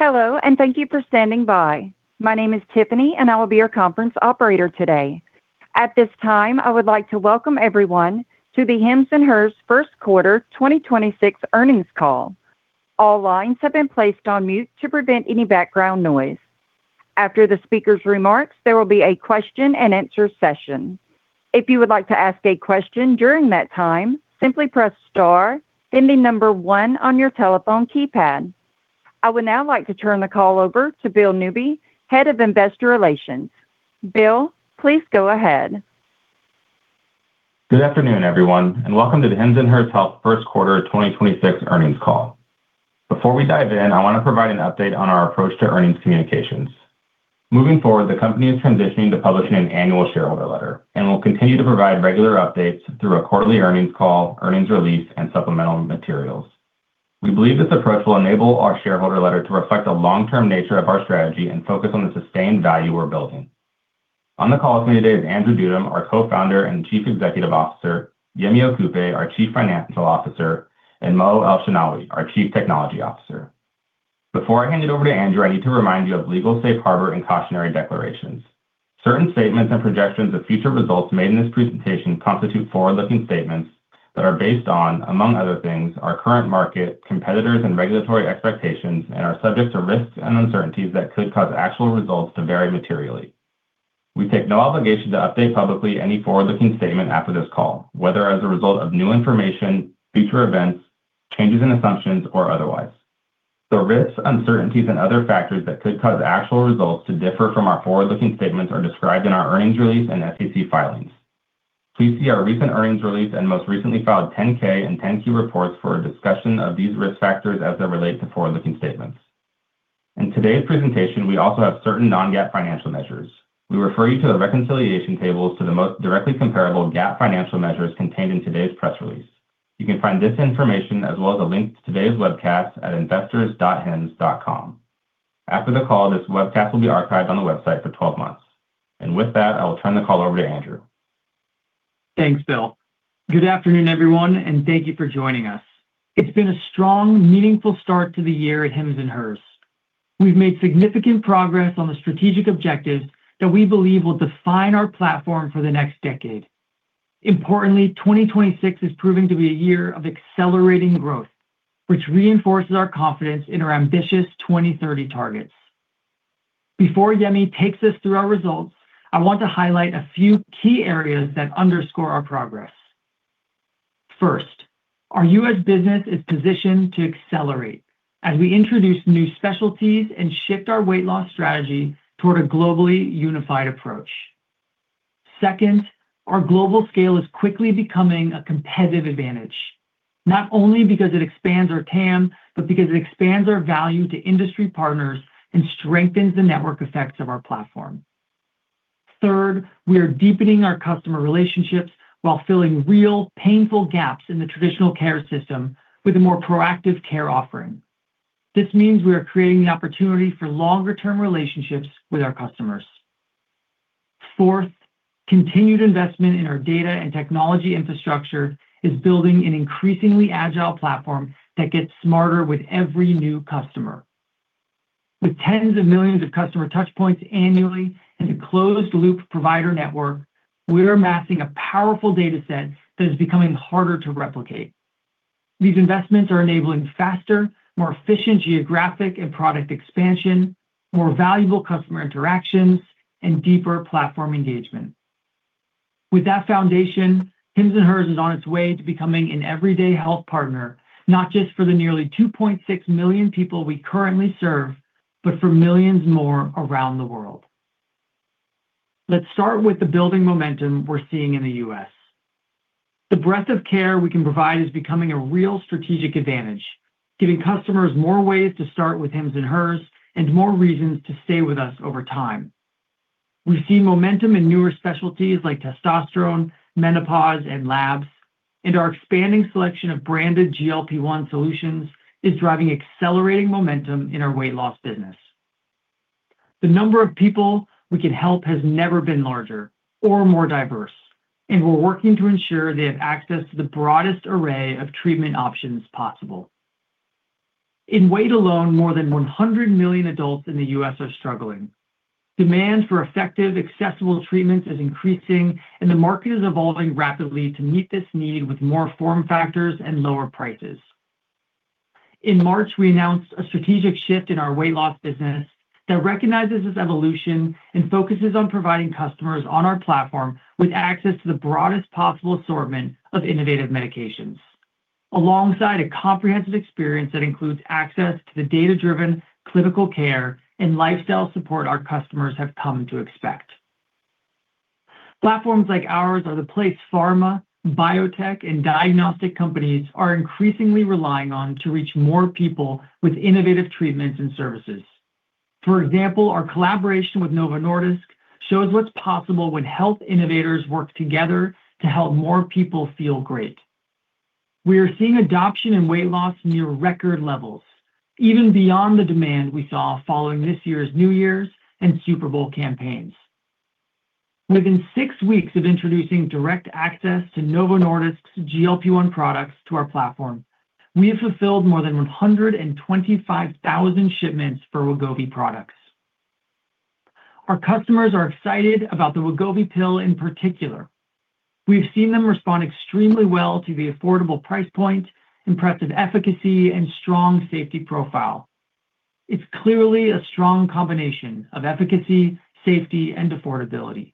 Hello, and thank you for standing by. My name is Tiffany, and I will be your conference operator today. At this time, I would like to welcome everyone to the Hims & Hers first quarter 2026 earnings call. All lines have been placed on mute to prevent any background noise. After the speaker's remarks, there will be a question-and-answer session. If you would like to ask a question during that time, simply press star, then the number one on your telephone keypad. I would now like to turn the call over to Bill Newby, Head of Investor Relations. Bill, please go ahead. Good afternoon, everyone. Welcome to the Hims & Hers Health first quarter 2026 earnings call. Before we dive in, I want to provide an update on our approach to earnings communications. Moving forward, the company is transitioning to publishing an annual shareholder letter and will continue to provide regular updates through a quarterly earnings call, earnings release, and supplemental materials. We believe this approach will enable our shareholder letter to reflect the long-term nature of our strategy and focus on the sustained value we're building. On the call with me today is Andrew Dudum, our Co-Founder and Chief Executive Officer, Yemi Okupe, our Chief Financial Officer, and Mo Elshenawy, our Chief Technology Officer. Before I hand it over to Andrew, I need to remind you of legal safe harbor and cautionary declarations. Certain statements and projections of future results made in this presentation constitute forward-looking statements that are based on, among other things, our current market, competitors, and regulatory expectations and are subject to risks and uncertainties that could cause actual results to vary materially. We take no obligation to update publicly any forward-looking statement after this call, whether as a result of new information, future events, changes in assumptions, or otherwise. The risks, uncertainties, and other factors that could cause actual results to differ from our forward-looking statements are described in our earnings release and SEC filings. Please see our recent earnings release and most recently filed 10-K and 10-Q reports for a discussion of these risk factors as they relate to forward-looking statements. In today's presentation, we also have certain non-GAAP financial measures. We refer you to the reconciliation tables to the most directly comparable GAAP financial measures contained in today's press release. You can find this information as well as a link to today's webcast at investors.hims.com. After the call, this webcast will be archived on the website for 12 months. With that, I will turn the call over to Andrew. Thanks, Bill. Good afternoon, everyone, thank you for joining us. It's been a strong, meaningful start to the year at Hims & Hers. We've made significant progress on the strategic objectives that we believe will define our platform for the next decade. Importantly, 2026 is proving to be a year of accelerating growth, which reinforces our confidence in our ambitious 2030 targets. Before Yemi takes us through our results, I want to highlight a few key areas that underscore our progress. First, our U.S. business is positioned to accelerate as we introduce new specialties and shift our weight loss strategy toward a globally unified approach. Second, our global scale is quickly becoming a competitive advantage, not only because it expands our TAM, because it expands our value to industry partners and strengthens the network effects of our platform. Third, we are deepening our customer relationships while filling real, painful gaps in the traditional care system with a more proactive care offering. This means we are creating the opportunity for longer-term relationships with our customers. Fourth, continued investment in our data and technology infrastructure is building an increasingly agile platform that gets smarter with every new customer. With tens of millions of customer touch points annually and a closed-loop provider network, we're amassing a powerful data set that is becoming harder to replicate. These investments are enabling faster, more efficient geographic and product expansion, more valuable customer interactions, and deeper platform engagement. With that foundation, Hims & Hers is on its way to becoming an everyday health partner, not just for the nearly 2.6 million people we currently serve, but for millions more around the world. Let's start with the building momentum we're seeing in the U.S. The breadth of care we can provide is becoming a real strategic advantage, giving customers more ways to start with Hims & Hers and more reasons to stay with us over time. We see momentum in newer specialties like testosterone, menopause, and labs, and our expanding selection of branded GLP-1 solutions is driving accelerating momentum in our weight loss business. The number of people we can help has never been larger or more diverse, and we're working to ensure they have access to the broadest array of treatment options possible. In weight alone, more than 100 million adults in the U.S. are struggling. Demand for effective, accessible treatments is increasing, and the market is evolving rapidly to meet this need with more form factors and lower prices. In March, we announced a strategic shift in our weight loss business that recognizes this evolution and focuses on providing customers on our platform with access to the broadest possible assortment of innovative medications. Alongside a comprehensive experience that includes access to the data-driven clinical care and lifestyle support our customers have come to expect. Platforms like ours are the place pharma, biotech, and diagnostic companies are increasingly relying on to reach more people with innovative treatments and services. For example, our collaboration with Novo Nordisk shows what's possible when health innovators work together to help more people feel great. We are seeing adoption and weight loss near record levels, even beyond the demand we saw following this year's New Year's and Super Bowl campaigns. Within six weeks of introducing direct access to Novo Nordisk's GLP-1 products to our platform, we have fulfilled more than 125,000 shipments for Wegovy products. Our customers are excited about the Wegovy Pill in particular. We have seen them respond extremely well to the affordable price point, impressive efficacy, and strong safety profile. It's clearly a strong combination of efficacy, safety, and affordability.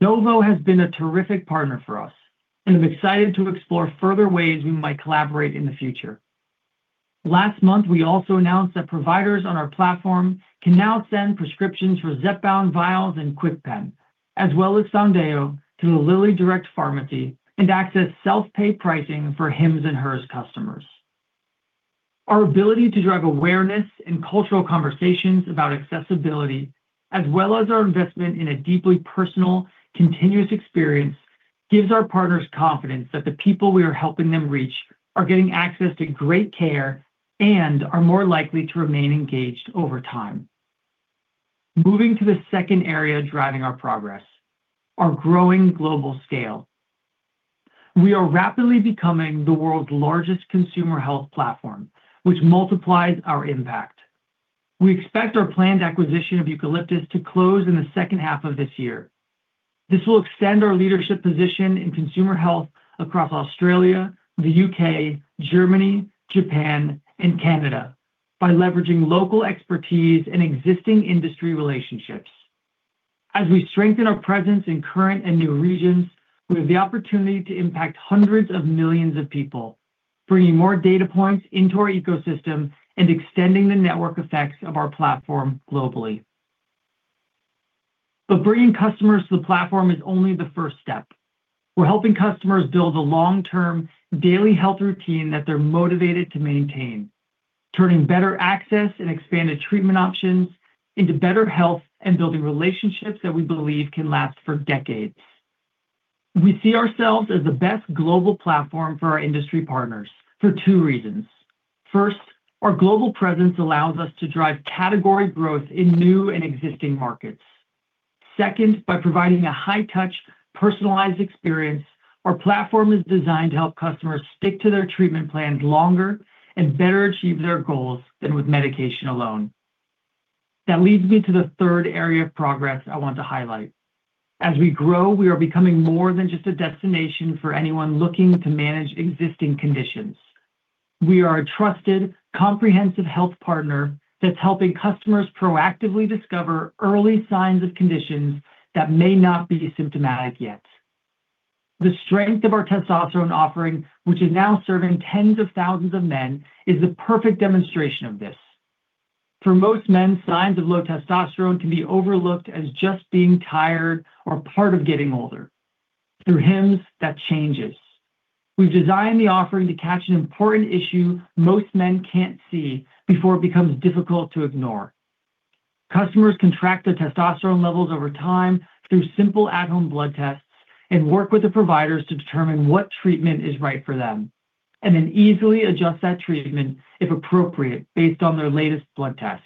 Novo has been a terrific partner for us, and I'm excited to explore further ways we might collaborate in the future. Last month, we also announced that providers on our platform can now send prescriptions for Zepbound vials and KwikPen, as well as [Sonder to the LillyDirect pharmacy and access self-pay pricing for Hims & Hers customers. Our ability to drive awareness and cultural conversations about accessibility, as well as our investment in a deeply personal, continuous experience, gives our partners confidence that the people we are helping them reach are getting access to great care and are more likely to remain engaged over time. Moving to the second area driving our progress, our growing global scale. We are rapidly becoming the world's largest consumer health platform, which multiplies our impact. We expect our planned acquisition of Eucalyptus to close in the second half of this year. This will extend our leadership position in consumer health across Australia, the U.K., Germany, Japan, and Canada by leveraging local expertise and existing industry relationships. As we strengthen our presence in current and new regions, we have the opportunity to impact hundreds of millions of people, bringing more data points into our ecosystem and extending the network effects of our platform globally. Bringing customers to the platform is only the first step. We're helping customers build a long-term daily health routine that they're motivated to maintain, turning better access and expanded treatment options into better health and building relationships that we believe can last for decades. We see ourselves as the best global platform for our industry partners for two reasons. First, our global presence allows us to drive category growth in new and existing markets. Second, by providing a high-touch, personalized experience, our platform is designed to help customers stick to their treatment plans longer and better achieve their goals than with medication alone. That leads me to the third area of progress I want to highlight. As we grow, we are becoming more than just a destination for anyone looking to manage existing conditions. We are a trusted, comprehensive health partner that's helping customers proactively discover early signs of conditions that may not be symptomatic yet. The strength of our testosterone offering, which is now serving tens of thousands of men, is the perfect demonstration of this. For most men, signs of low testosterone can be overlooked as just being tired or part of getting older. Through Hims, that changes. We've designed the offering to catch an important issue most men can't see before it becomes difficult to ignore. Customers can track their testosterone levels over time through simple at-home blood tests and work with the providers to determine what treatment is right for them, and then easily adjust that treatment if appropriate based on their latest blood test.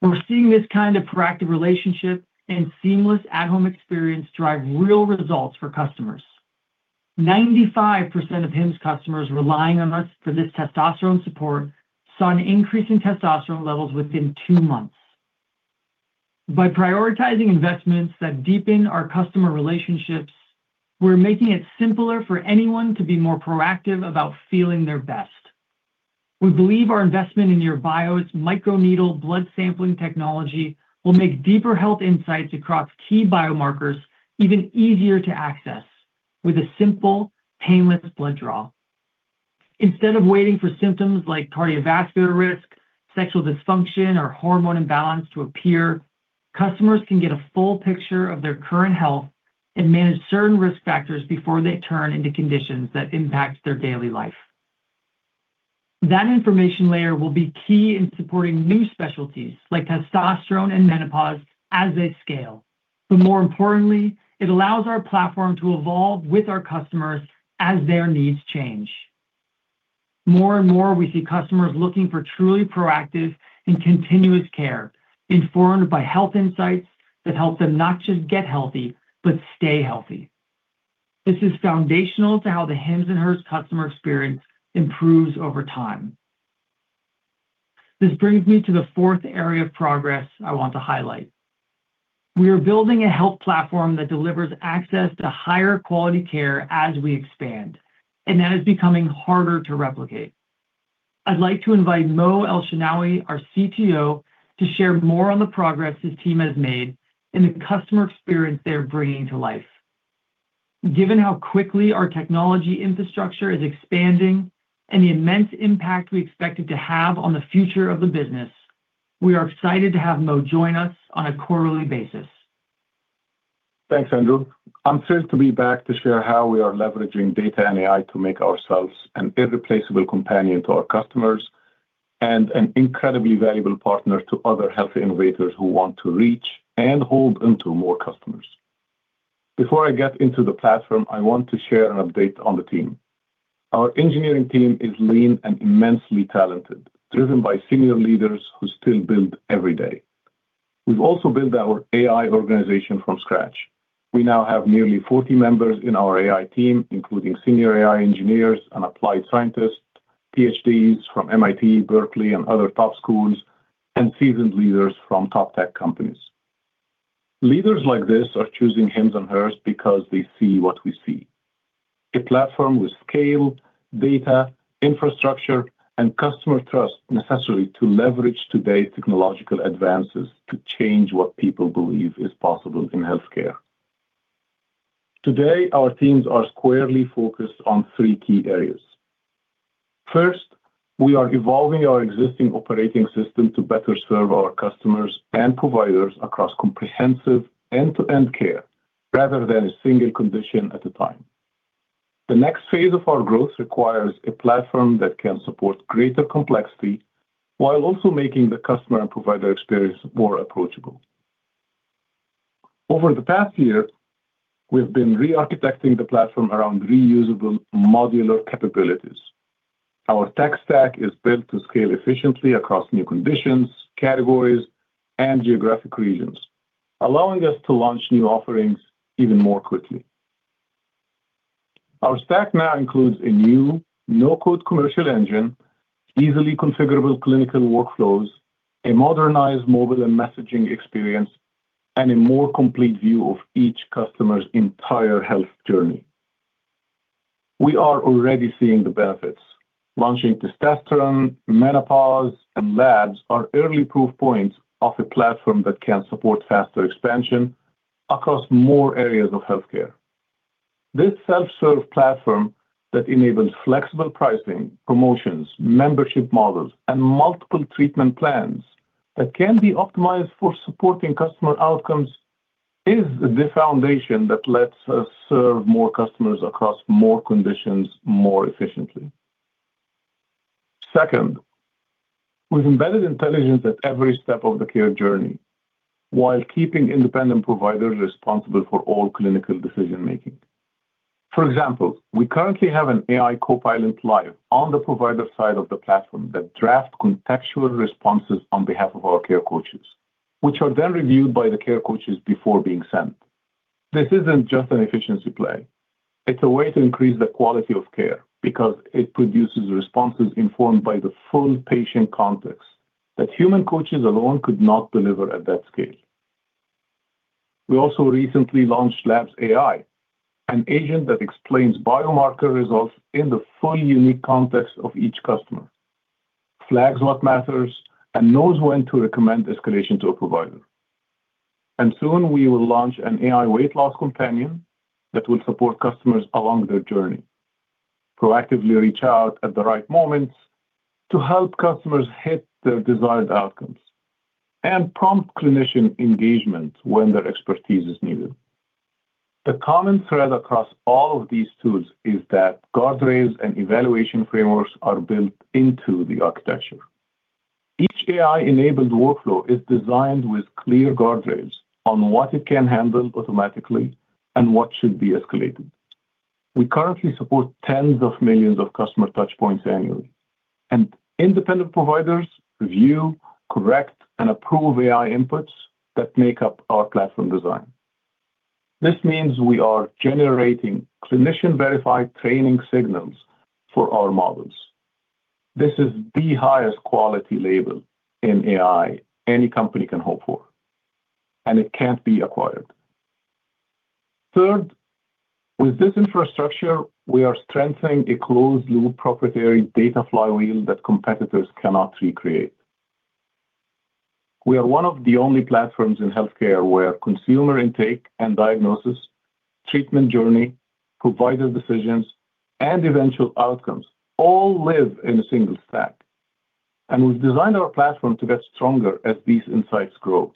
We're seeing this kind of proactive relationship and seamless at-home experience drive real results for customers. 95% of Hims customers relying on us for this testosterone support saw an increase in testosterone levels within two months. By prioritizing investments that deepen our customer relationships, we're making it simpler for anyone to be more proactive about feeling their best. We believe our investment in YourBio's microneedle blood sampling technology will make deeper health insights across key biomarkers even easier to access with a simple, painless blood draw. Instead of waiting for symptoms like cardiovascular risk, sexual dysfunction, or hormone imbalance to appear, customers can get a full picture of their current health and manage certain risk factors before they turn into conditions that impact their daily life. That information layer will be key in supporting new specialties like testosterone and menopause as they scale. More importantly, it allows our platform to evolve with our customers as their needs change. More and more, we see customers looking for truly proactive and continuous care, informed by health insights that help them not just get healthy, but stay healthy. This is foundational to how the Hims & Hers customer experience improves over time. This brings me to the fourth area of progress I want to highlight. We are building a health platform that delivers access to higher quality care as we expand, and that is becoming harder to replicate. I'd like to invite Mo Elshenawy, our CTO, to share more on the progress his team has made and the customer experience they are bringing to life. Given how quickly our technology infrastructure is expanding and the immense impact we expect it to have on the future of the business, we are excited to have Mo join us on a quarterly basis. Thanks, Andrew. I'm thrilled to be back to share how we are leveraging data and AI to make ourselves an irreplaceable companion to our customers and an incredibly valuable partner to other health innovators who want to reach and hold onto more customers. Before I get into the platform, I want to share an update on the team. Our engineering team is lean and immensely talented, driven by senior leaders who still build every day. We've also built our AI organization from scratch. We now have nearly 40 members in our AI team, including senior AI engineers and applied scientists, PhDs from MIT, Berkeley, and other top schools, and seasoned leaders from top tech companies. Leaders like this are choosing Hims & Hers because they see what we see. A platform with scale, data, infrastructure, and customer trust necessary to leverage today's technological advances to change what people believe is possible in healthcare. Today, our teams are squarely focused on three key areas. First, we are evolving our existing operating system to better serve our customers and providers across comprehensive end-to-end care rather than a single condition at a time. The next phase of our growth requires a platform that can support greater complexity while also making the customer and provider experience more approachable. Over the past year, we've been re-architecting the platform around reusable modular capabilities. Our tech stack is built to scale efficiently across new conditions, categories, and geographic regions, allowing us to launch new offerings even more quickly. Our stack now includes a new no-code commercial engine, easily configurable clinical workflows, a modernized mobile and messaging experience, and a more complete view of each customer's entire health journey. We are already seeing the benefits. Launching testosterone, menopause, and labs are early proof points of a platform that can support faster expansion across more areas of healthcare. This self-serve platform that enables flexible pricing, promotions, membership models, and multiple treatment plans that can be optimized for supporting customer outcomes is the foundation that lets us serve more customers across more conditions more efficiently. Second, with embedded intelligence at every step of the care journey while keeping independent providers responsible for all clinical decision-making. For example, we currently have an AI copilot live on the provider side of the platform that draft contextual responses on behalf of our care coaches, which are then reviewed by the care coaches before being sent. This isn't just an efficiency play. It's a way to increase the quality of care because it produces responses informed by the full patient context that human coaches alone could not deliver at that scale. We also recently launched Labs AI, an agent that explains biomarker results in the fully unique context of each customer, flags what matters, and knows when to recommend escalation to a provider. Soon we will launch an AI weight loss companion that will support customers along their journey, proactively reach out at the right moments to help customers hit their desired outcomes, and prompt clinician engagement when their expertise is needed. The common thread across all of these tools is that guardrails and evaluation frameworks are built into the architecture. Each AI-enabled workflow is designed with clear guardrails on what it can handle automatically and what should be escalated. We currently support tens of millions of customer touch points annually, and independent providers review, correct, and approve AI inputs that make up our platform design. This means we are generating clinician-verified training signals for our models. This is the highest quality label in AI any company can hope for, and it can't be acquired. Third, with this infrastructure, we are strengthening a closed-loop proprietary data flywheel that competitors cannot recreate. We are one of the only platforms in healthcare where consumer intake and diagnosis, treatment journey, provider decisions, and eventual outcomes all live in a single stack. We've designed our platform to get stronger as these insights grow.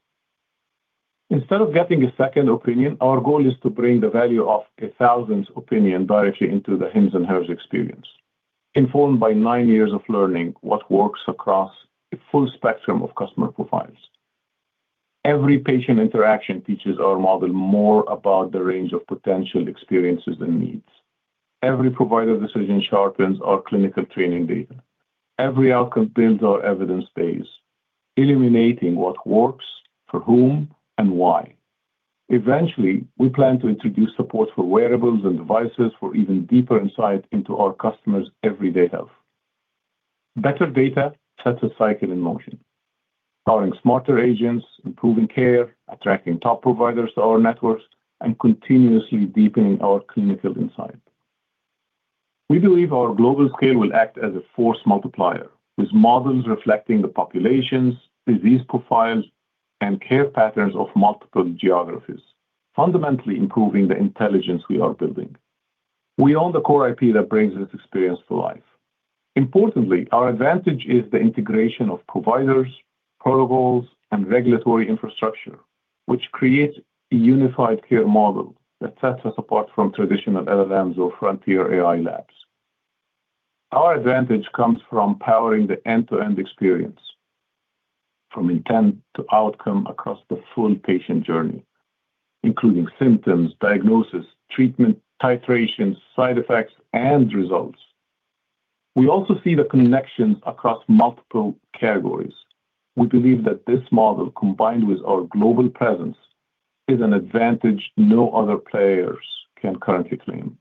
Instead of getting a second opinion, our goal is to bring the value of a 1,000th opinion directly into the Hims & Hers experience, informed by nine years of learning what works across a full spectrum of customer profiles. Every patient interaction teaches our model more about the range of potential experiences and needs. Every provider decision sharpens our clinical training data. Every outcome builds our evidence base, illuminating what works, for whom, and why. Eventually, we plan to introduce support for wearables and devices for even deeper insight into our customers' everyday health. Better data sets a cycle in motion, powering smarter agents, improving care, attracting top providers to our networks, and continuously deepening our clinical insight. We believe our global scale will act as a force multiplier with models reflecting the populations, disease profiles, and care patterns of multiple geographies, fundamentally improving the intelligence we are building. We own the core IP that brings this experience to life. Our advantage is the integration of providers, protocols, and regulatory infrastructure, which creates a unified care model that sets us apart from traditional LLMs or frontier AI labs. Our advantage comes from powering the end-to-end experience from intent to outcome across the full patient journey, including symptoms, diagnosis, treatment, titration, side effects, and results. We also see the connections across multiple categories. We believe that this model, combined with our global presence, is an advantage no other players can currently claim.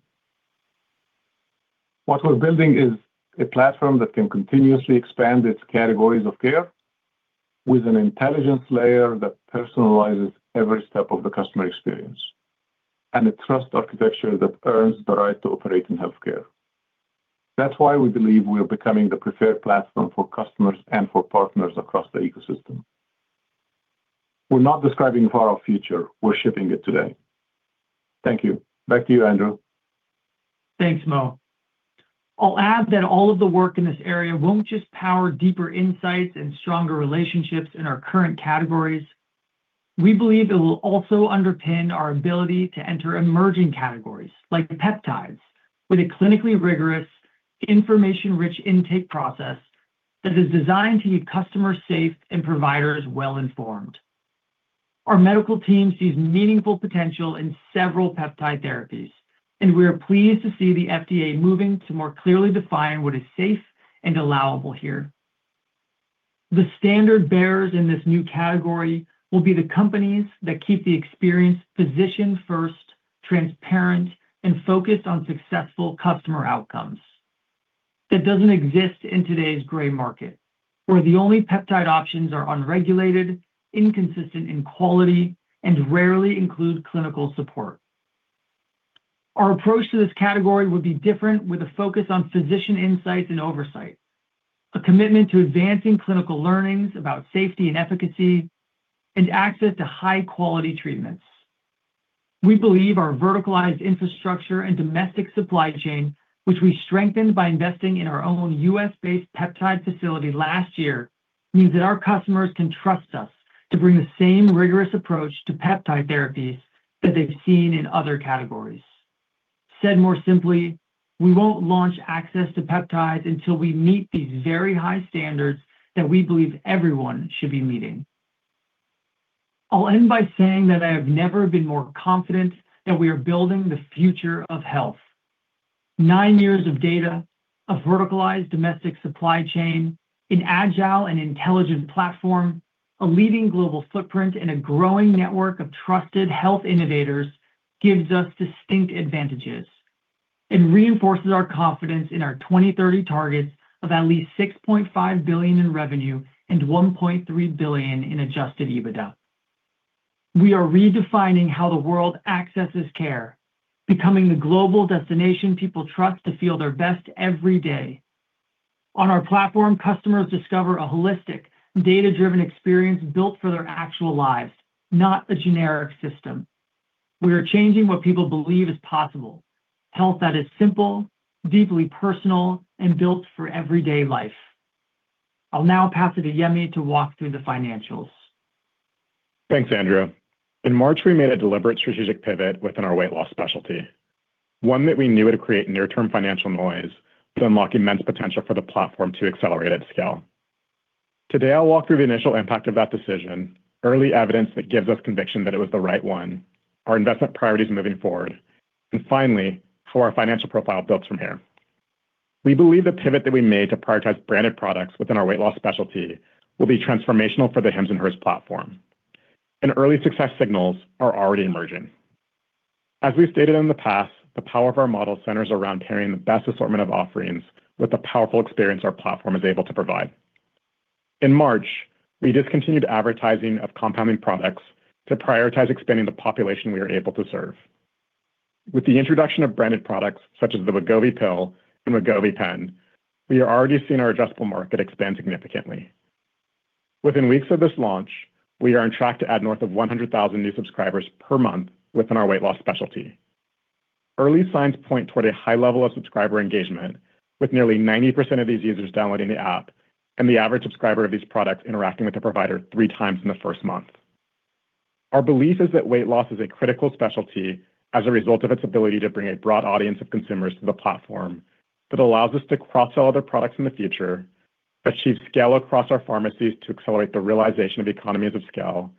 What we're building is a platform that can continuously expand its categories of care with an intelligence layer that personalizes every step of the customer experience, and a trust architecture that earns the right to operate in healthcare. That's why we believe we are becoming the preferred platform for customers and for partners across the ecosystem. We're not describing a far-off future, we're shipping it today. Thank you. Back to you, Andrew. Thanks, Mo. I'll add that all of the work in this area won't just power deeper insights and stronger relationships in our current categories. We believe it will also underpin our ability to enter emerging categories like peptides with a clinically rigorous, information-rich intake process that is designed to keep customers safe and providers well-informed. Our medical team sees meaningful potential in several peptide therapies, and we are pleased to see the FDA moving to more clearly define what is safe and allowable here. The standard bearers in this new category will be the companies that keep the experience physician first, transparent, and focused on successful customer outcomes. That doesn't exist in today's gray market, where the only peptide options are unregulated, inconsistent in quality, and rarely include clinical support. Our approach to this category would be different with a focus on physician insights and oversight, a commitment to advancing clinical learnings about safety and efficacy, and access to high-quality treatments. We believe our verticalized infrastructure and domestic supply chain, which we strengthened by investing in our own U.S.-based peptide facility last year, means that our customers can trust us to bring the same rigorous approach to peptide therapies that they've seen in other categories. Said more simply, we won't launch access to peptides until we meet these very high standards that we believe everyone should be meeting. I'll end by saying that I have never been more confident that we are building the future of health. Nine years of data, a verticalized domestic supply chain, an agile and intelligent platform, a leading global footprint, and a growing network of trusted health innovators gives us distinct advantages and reinforces our confidence in our 2030 targets of at least $6.5 billion in revenue and $1.3 billion in adjusted EBITDA. We are redefining how the world accesses care, becoming the global destination people trust to feel their best every day. On our platform, customers discover a holistic, data-driven experience built for their actual lives, not a generic system. We are changing what people believe is possible. Health that is simple, deeply personal, and built for everyday life. I'll now pass it to Yemi to walk through the financials. Thanks, Andrew. In March, we made a deliberate strategic pivot within our weight loss specialty, one that we knew would create near-term financial noise to unlock immense potential for the platform to accelerate at scale. Today, I'll walk through the initial impact of that decision, early evidence that gives us conviction that it was the right one, our investment priorities moving forward, and finally, how our financial profile builds from here. We believe the pivot that we made to prioritize branded products within our weight loss specialty will be transformational for the Hims & Hers platform, and early success signals are already emerging. As we've stated in the past, the power of our model centers around carrying the best assortment of offerings with the powerful experience our platform is able to provide. In March, we discontinued advertising of compounding products to prioritize expanding the population we are able to serve. With the introduction of branded products, such as the Wegovy Pill and Wegovy Pen, we are already seeing our adjustable market expand significantly. Within weeks of this launch, we are on track to add north of 100,000 new subscribers per month within our weight loss specialty. Early signs point toward a high level of subscriber engagement with nearly 90% of these users downloading the app and the average subscriber of these products interacting with the provider 3x in the first month. Our belief is that weight loss is a critical specialty as a result of its ability to bring a broad audience of consumers to the platform that allows us to cross-sell other products in the future, achieve scale across our pharmacies to accelerate the realization of economies of scale,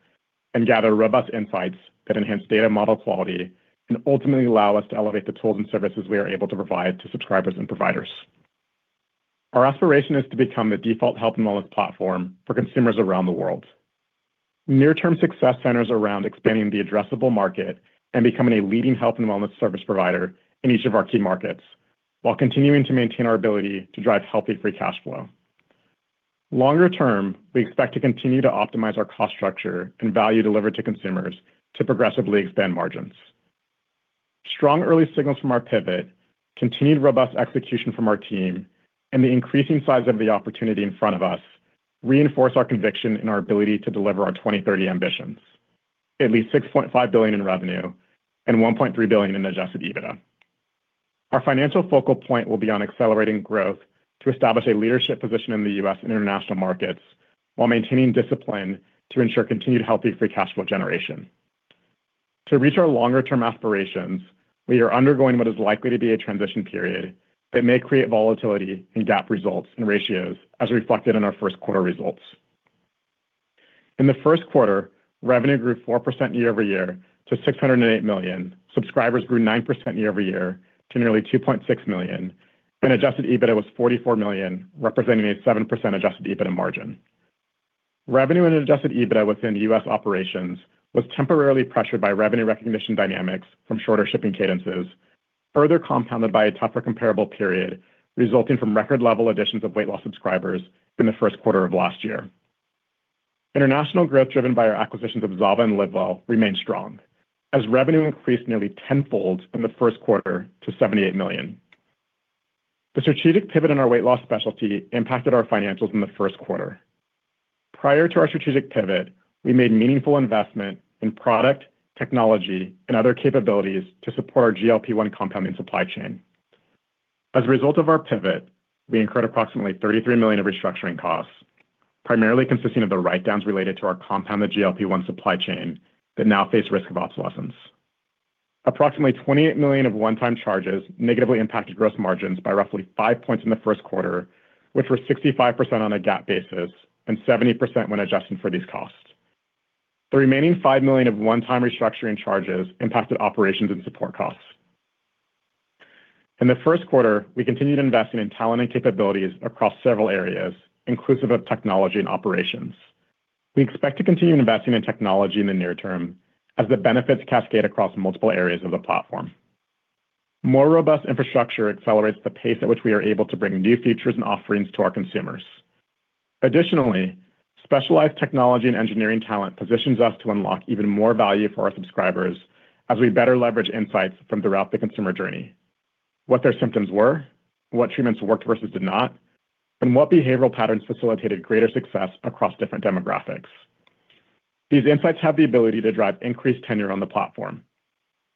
and gather robust insights that enhance data model quality and ultimately allow us to elevate the tools and services we are able to provide to subscribers and providers. Our aspiration is to become the default health and wellness platform for consumers around the world. Near-term success centers around expanding the addressable market and becoming a leading health and wellness service provider in each of our key markets while continuing to maintain our ability to drive healthy free cash flow. Longer term, we expect to continue to optimize our cost structure and value delivered to consumers to progressively expand margins. Strong early signals from our pivot, continued robust execution from our team, and the increasing size of the opportunity in front of us reinforce our conviction in our ability to deliver our 2030 ambitions, at least $6.5 billion in revenue and $1.3 billion in adjusted EBITDA. Our financial focal point will be on accelerating growth to establish a leadership position in the U.S. and international markets while maintaining discipline to ensure continued healthy free cash flow generation. To reach our longer-term aspirations, we are undergoing what is likely to be a transition period that may create volatility in GAAP results and ratios as reflected in our first quarter results. In the first quarter, revenue grew 4% year-over-year to $608 million. Subscribers grew 9% year-over-year to nearly 2.6 million, and adjusted EBITDA was $44 million, representing a 7% adjusted EBITDA margin. Revenue and adjusted EBITDA within U.S. operations was temporarily pressured by revenue recognition dynamics from shorter shipping cadences, further compounded by a tougher comparable period resulting from record level additions of weight-loss subscribers in the first quarter of last year. International growth driven by our acquisitions of ZAVA and Livewell remained strong as revenue increased nearly tenfold from the first quarter to $78 million. The strategic pivot in our weight-loss specialty impacted our financials in the first quarter. Prior to our strategic pivot, we made meaningful investment in product, technology, and other capabilities to support our GLP-1 compounding supply chain. As a result of our pivot, we incurred approximately $33 million of restructuring costs, primarily consisting of the write-downs related to our compounded GLP-1 supply chain that now face risk of obsolescence. Approximately $28 million of one-time charges negatively impacted gross margins by roughly five points in the first quarter, which were 65% on a GAAP basis and 70% when adjusting for these costs. The remaining $5 million of one-time restructuring charges impacted operations and support costs. In the first quarter, we continued investing in talent and capabilities across several areas, inclusive of technology and operations. We expect to continue investing in technology in the near term as the benefits cascade across multiple areas of the platform. More robust infrastructure accelerates the pace at which we are able to bring new features and offerings to our consumers. Additionally, specialized technology and engineering talent positions us to unlock even more value for our subscribers as we better leverage insights from throughout the consumer journey. What their symptoms were, what treatments worked versus did not, and what behavioral patterns facilitated greater success across different demographics. These insights have the ability to drive increased tenure on the platform.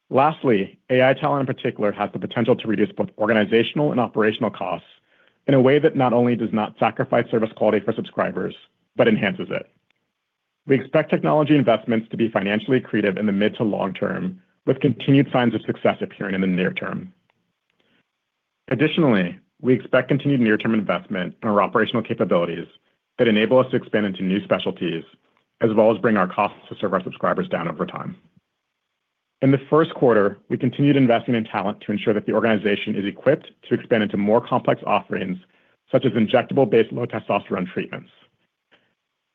Lastly, AI talent in particular, has the potential to reduce both organizational and operational costs in a way that not only does not sacrifice service quality for subscribers but enhances it. We expect technology investments to be financially accretive in the mid to long term, with continued signs of success appearing in the near term. Additionally, we expect continued near-term investment in our operational capabilities that enable us to expand into new specialties as well as bring our costs to serve our subscribers down over time. In the first quarter, we continued investing in talent to ensure that the organization is equipped to expand into more complex offerings such as injectable-based low testosterone treatments.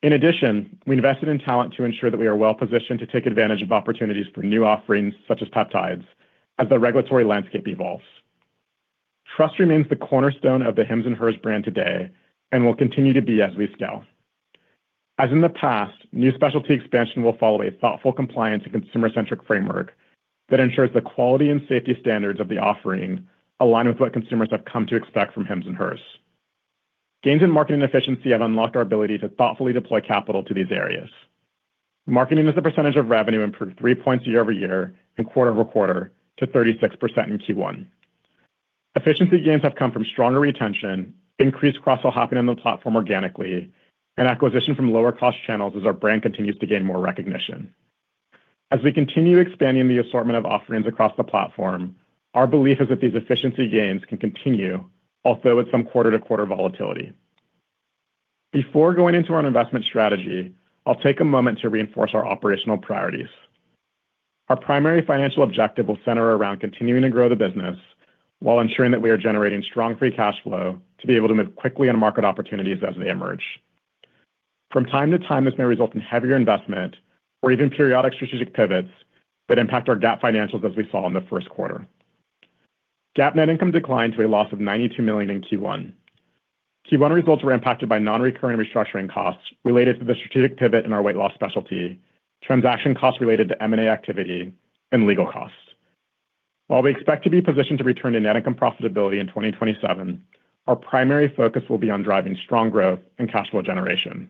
In addition, we invested in talent to ensure that we are well-positioned to take advantage of opportunities for new offerings such as peptides as the regulatory landscape evolves. Trust remains the cornerstone of the Hims & Hers brand today and will continue to be as we scale. As in the past, new specialty expansion will follow a thoughtful compliance and consumer-centric framework that ensures the quality and safety standards of the offering align with what consumers have come to expect from Hims & Hers. Gains in marketing efficiency have unlocked our ability to thoughtfully deploy capital to these areas. Marketing as a percentage of revenue improved three points year-over-year and quarter-over-quarter to 36% in Q1. Efficiency gains have come from stronger retention, increased cross-selling happening on the platform organically, and acquisition from lower cost channels as our brand continues to gain more recognition. As we continue expanding the assortment of offerings across the platform, our belief is that these efficiency gains can continue, although with some quarter-to-quarter volatility. Before going into our investment strategy, I'll take a moment to reinforce our operational priorities. Our primary financial objective will center around continuing to grow the business while ensuring that we are generating strong free cash flow to be able to move quickly on market opportunities as they emerge. From time to time, this may result in heavier investment or even periodic strategic pivots that impact our GAAP financials as we saw in the first quarter. GAAP net income declined to a loss of $92 million in Q1. Q1 results were impacted by non-recurring restructuring costs related to the strategic pivot in our weight loss specialty, transaction costs related to M&A activity, and legal costs. While we expect to be positioned to return to net income profitability in 2027, our primary focus will be on driving strong growth and cash flow generation.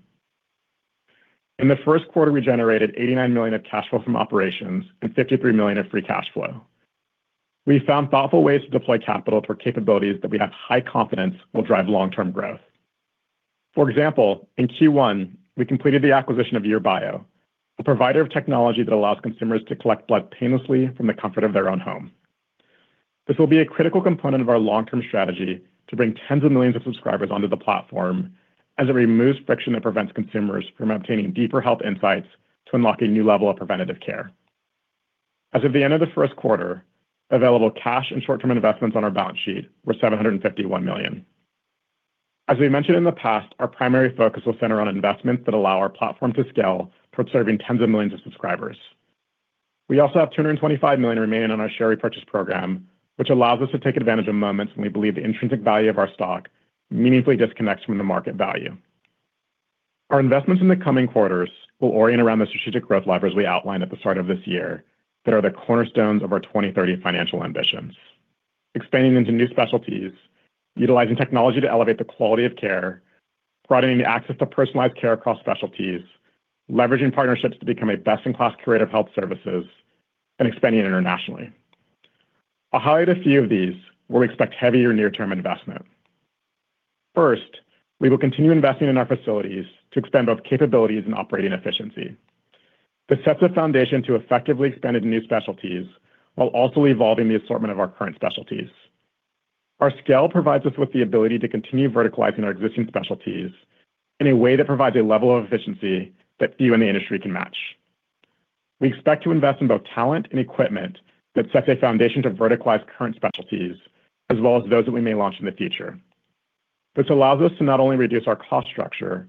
In the first quarter, we generated $89 million of cash flow from operations and $53 million of free cash flow. We found thoughtful ways to deploy capital for capabilities that we have high confidence will drive long-term growth. For example, in Q1, we completed the acquisition of YourBio, a provider of technology that allows consumers to collect blood painlessly from the comfort of their own home. This will be a critical component of our long-term strategy to bring tens of millions of subscribers onto the platform as it removes friction that prevents consumers from obtaining deeper health insights to unlocking new level of preventative care. As of the end of the first quarter, available cash and short-term investments on our balance sheet were $751 million. As we mentioned in the past, our primary focus will center on investments that allow our platform to scale toward serving tens of millions of subscribers. We also have $225 million remaining on our share repurchase program, which allows us to take advantage of moments when we believe the intrinsic value of our stock meaningfully disconnects from the market value. Our investments in the coming quarters will orient around the strategic growth levers we outlined at the start of this year that are the cornerstones of our 2030 financial ambitions. Expanding into new specialties, utilizing technology to elevate the quality of care, broadening the access to personalized care across specialties, leveraging partnerships to become a best-in-class curator of health services, and expanding internationally. I'll highlight a few of these where we expect heavier near-term investment. First, we will continue investing in our facilities to expand both capabilities and operating efficiency. This sets a foundation to effectively expand into new specialties while also evolving the assortment of our current specialties. Our scale provides us with the ability to continue verticalizing our existing specialties in a way that provides a level of efficiency that few in the industry can match. We expect to invest in both talent and equipment that sets a foundation to verticalize current specialties, as well as those that we may launch in the future. This allows us to not only reduce our cost structure,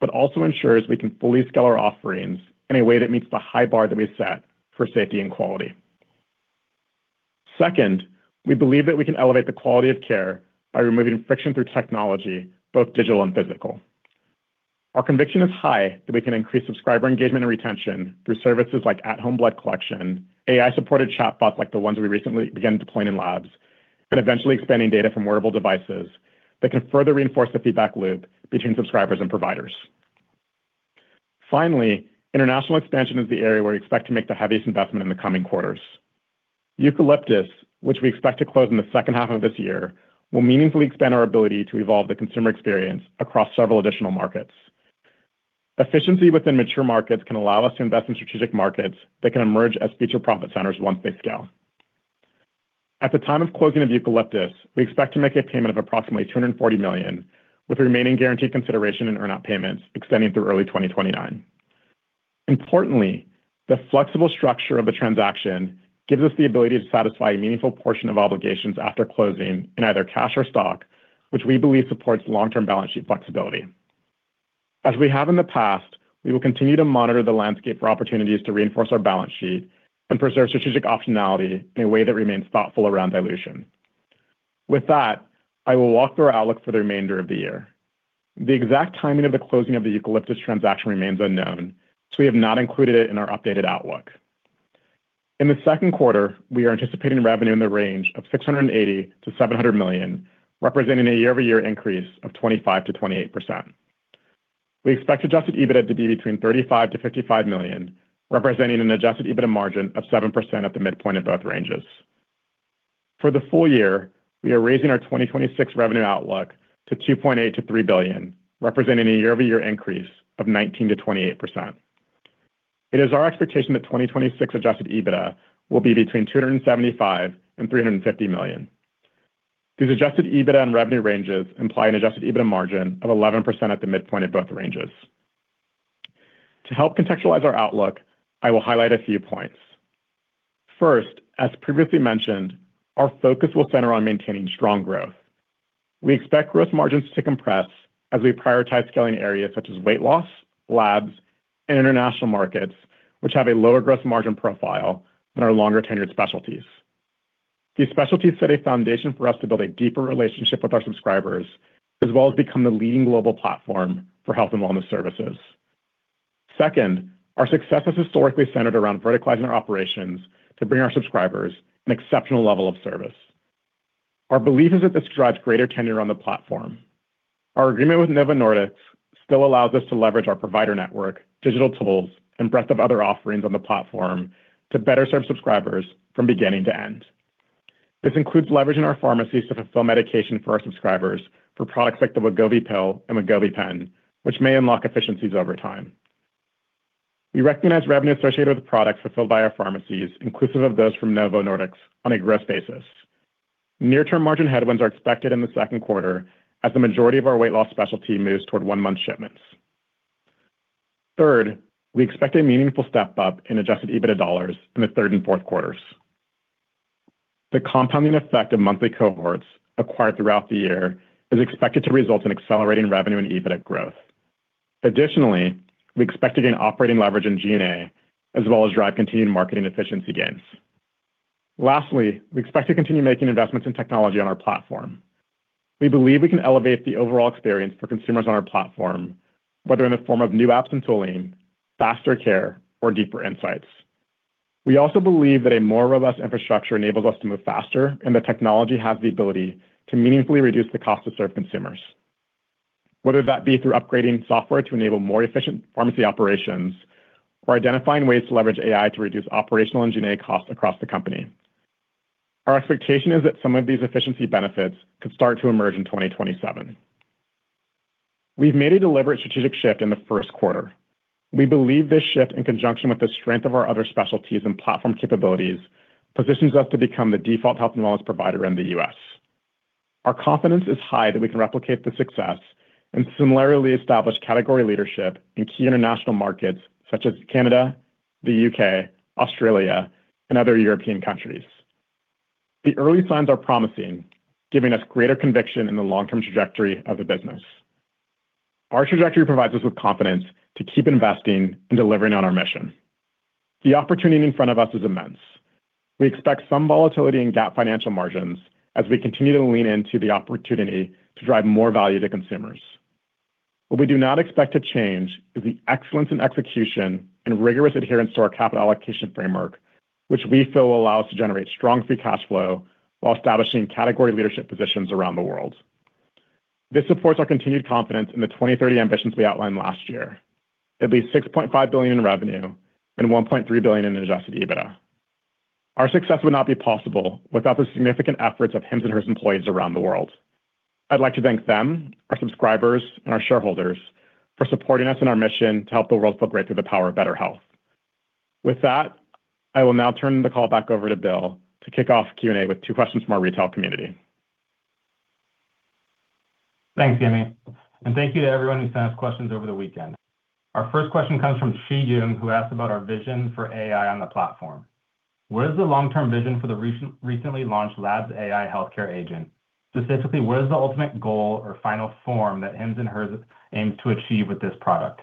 but also ensures we can fully scale our offerings in a way that meets the high bar that we set for safety and quality. Second, we believe that we can elevate the quality of care by removing friction through technology, both digital and physical. Our conviction is high that we can increase subscriber engagement and retention through services like at-home blood collection, AI-supported chatbots like the ones we recently began deploying in Labs, and eventually expanding data from wearable devices that can further reinforce the feedback loop between subscribers and providers. Finally, international expansion is the area where we expect to make the heaviest investment in the coming quarters. Eucalyptus, which we expect to close in the second half of this year, will meaningfully expand our ability to evolve the consumer experience across several additional markets. Efficiency within mature markets can allow us to invest in strategic markets that can emerge as future profit centers once they scale. At the time of closing of Eucalyptus, we expect to make a payment of approximately $240 million, with remaining guaranteed consideration in earn-out payments extending through early 2029. The flexible structure of the transaction gives us the ability to satisfy a meaningful portion of obligations after closing in either cash or stock, which we believe supports long-term balance sheet flexibility. As we have in the past, we will continue to monitor the landscape for opportunities to reinforce our balance sheet and preserve strategic optionality in a way that remains thoughtful around dilution. With that, I will walk through our outlook for the remainder of the year. The exact timing of the closing of the Eucalyptus transaction remains unknown, so we have not included it in our updated outlook. In the second quarter, we are anticipating revenue in the range of $680 million-$700 million, representing a year-over-year increase of 25%-28%. We expect adjusted EBITDA to be between $35 million and $55 million, representing an adjusted EBITDA margin of 7% at the midpoint of both ranges. For the full year, we are raising our 2026 revenue outlook to $2.8 billion-$3 billion, representing a year-over-year increase of 19%-28%. It is our expectation that 2026 adjusted EBITDA will be between $275 million and $350 million. These adjusted EBITDA and revenue ranges imply an adjusted EBITDA margin of 11% at the midpoint of both ranges. To help contextualize our outlook, I will highlight a few points. First, as previously mentioned, our focus will center on maintaining strong growth. We expect gross margins to compress as we prioritize scaling areas such as weight loss, labs, and international markets, which have a lower gross margin profile than our longer-tenured specialties. These specialties set a foundation for us to build a deeper relationship with our subscribers, as well as become the leading global platform for health and wellness services. Second, our success has historically centered around verticalizing our operations to bring our subscribers an exceptional level of service. Our belief is that this drives greater tenure on the platform. Our agreement with Novo Nordisk still allows us to leverage our provider network, digital tools, and breadth of other offerings on the platform to better serve subscribers from beginning to end. This includes leveraging our pharmacies to fulfill medication for our subscribers for products like the Wegovy Pill and Wegovy Pen, which may unlock efficiencies over time. We recognize revenue associated with products fulfilled by our pharmacies, inclusive of those from Novo Nordisk, on a gross basis. Near-term margin headwinds are expected in the second quarter as the majority of our weight loss specialty moves toward one-month shipments. We expect a meaningful step-up in adjusted EBITDA dollars in the third and fourth quarters. The compounding effect of monthly cohorts acquired throughout the year is expected to result in accelerating revenue and EBITDA growth. Additionally, we expect to gain operating leverage in G&A, as well as drive continued marketing efficiency gains. We expect to continue making investments in technology on our platform. We believe we can elevate the overall experience for consumers on our platform, whether in the form of new apps and tooling, faster care, or deeper insights. We also believe that a more robust infrastructure enables us to move faster, and that technology has the ability to meaningfully reduce the cost to serve consumers, whether that be through upgrading software to enable more efficient pharmacy operations or identifying ways to leverage AI to reduce operational and G&A costs across the company. Our expectation is that some of these efficiency benefits could start to emerge in 2027. We've made a deliberate strategic shift in the first quarter. We believe this shift, in conjunction with the strength of our other specialties and platform capabilities, positions us to become the default health and wellness provider in the U.S. Our confidence is high that we can replicate the success and similarly establish category leadership in key international markets such as Canada, the U.K., Australia, and other European countries. The early signs are promising, giving us greater conviction in the long-term trajectory of the business. Our trajectory provides us with confidence to keep investing and delivering on our mission. The opportunity in front of us is immense. We expect some volatility in GAAP financial margins as we continue to lean into the opportunity to drive more value to consumers. What we do not expect to change is the excellence in execution and rigorous adherence to our capital allocation framework, which we feel will allow us to generate strong free cash flow while establishing category leadership positions around the world. This supports our continued confidence in the 2030 ambitions we outlined last year. It'll be $6.5 billion in revenue and $1.3 billion in adjusted EBITDA. Our success would not be possible without the significant efforts of Hims & Hers employees around the world. I'd like to thank them, our subscribers and our shareholders for supporting us in our mission to help the world feel great through the power of better health. With that, I will now turn the call back over to Bill to kick off Q&A with two questions from our retail community. Thanks, Yemi. Thank you to everyone who sent us questions over the weekend. Our first question comes from Chi Yung, who asked about our vision for AI on the platform. What is the long-term vision for the recently launched Labs AI healthcare agent? Specifically, what is the ultimate goal or final form that Hims & Hers aims to achieve with this product?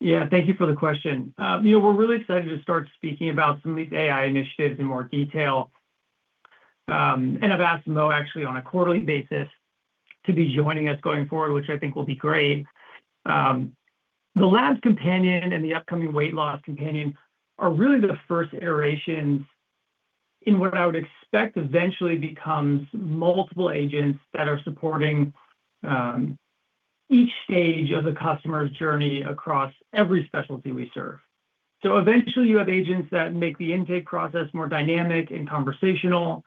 Yeah, thank you for the question. You know, we're really excited to start speaking about some of these AI initiatives in more detail. I've asked Mo actually on a quarterly basis to be joining us going forward, which I think will be great. The Labs companion and the upcoming weight loss companion are really the first iterations in what I would expect eventually becomes multiple agents that are supporting each stage of the customer's journey across every specialty we serve. Eventually you have agents that make the intake process more dynamic and conversational.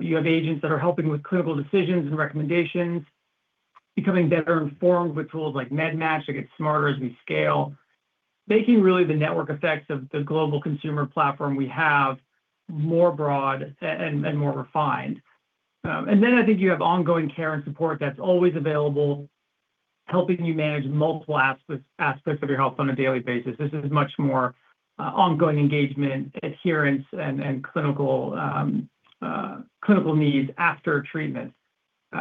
You have agents that are helping with clinical decisions and recommendations, becoming better informed with tools like MedMatch that get smarter as we scale. Making really the network effects of the global consumer platform we have more broad and more refined. Then I think you have ongoing care and support that's always available, helping you manage multiple aspects of your health on a daily basis. This is much more ongoing engagement, adherence and clinical needs after treatment.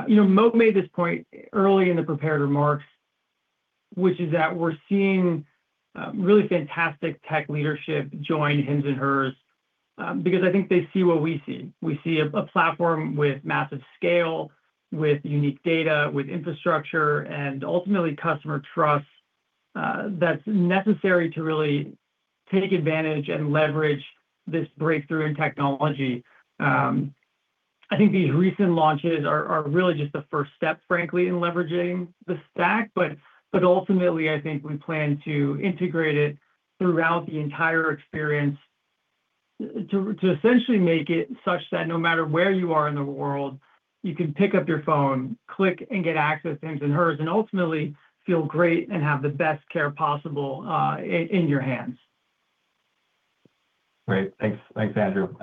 You know, Mo made this point early in the prepared remarks, which is that we're seeing really fantastic tech leadership join Hims & Hers because I think they see what we see. We see a platform with massive scale, with unique data, with infrastructure, and ultimately customer trust that's necessary to really take advantage and leverage this breakthrough in technology. I think these recent launches are really just the first step, frankly, in leveraging the stack, but ultimately I think we plan to integrate it throughout the entire experience to essentially make it such that no matter where you are in the world, you can pick up your phone, click and get access to Hims & Hers, and ultimately feel great and have the best care possible, in your hands. Great. Thanks. Thanks, Andrew.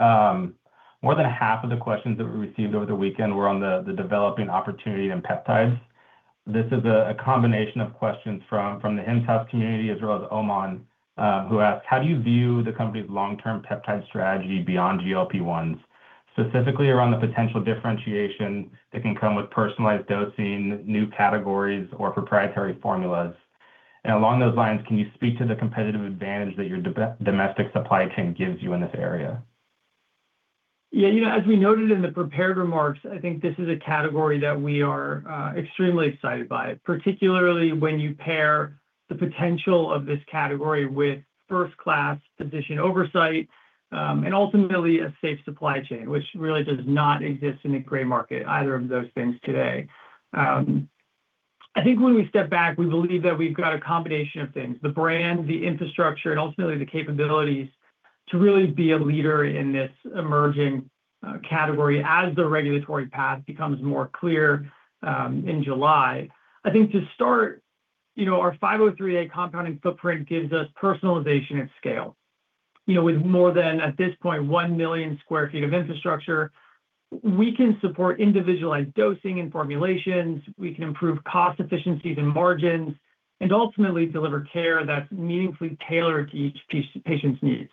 More than half of the questions that we received over the weekend were on the developing opportunity in peptides. This is a combination of questions from the Hims community as well as Oman, who asked, "How do you view the company's long-term peptide strategy beyond GLP-1s, specifically around the potential differentiation that can come with personalized dosing, new categories or proprietary formulas? Along those lines, can you speak to the competitive advantage that your domestic supply chain gives you in this area? Yeah, you know, as we noted in the prepared remarks, I think this is a category that we are extremely excited by, particularly when you pair the potential of this category with first-class physician oversight, and ultimately a safe supply chain, which really does not exist in the gray market, either of those things today. I think when we step back, we believe that we've got a combination of things, the brand, the infrastructure, and ultimately the capabilities to really be a leader in this emerging category as the regulatory path becomes more clear in July. I think to start, you know, our 503A compounding footprint gives us personalization at scale. You know, with more than, at this point, 1,000,000 sq ft of infrastructure, we can support individualized dosing and formulations, we can improve cost efficiencies and margins, and ultimately deliver care that's meaningfully tailored to each patient's needs.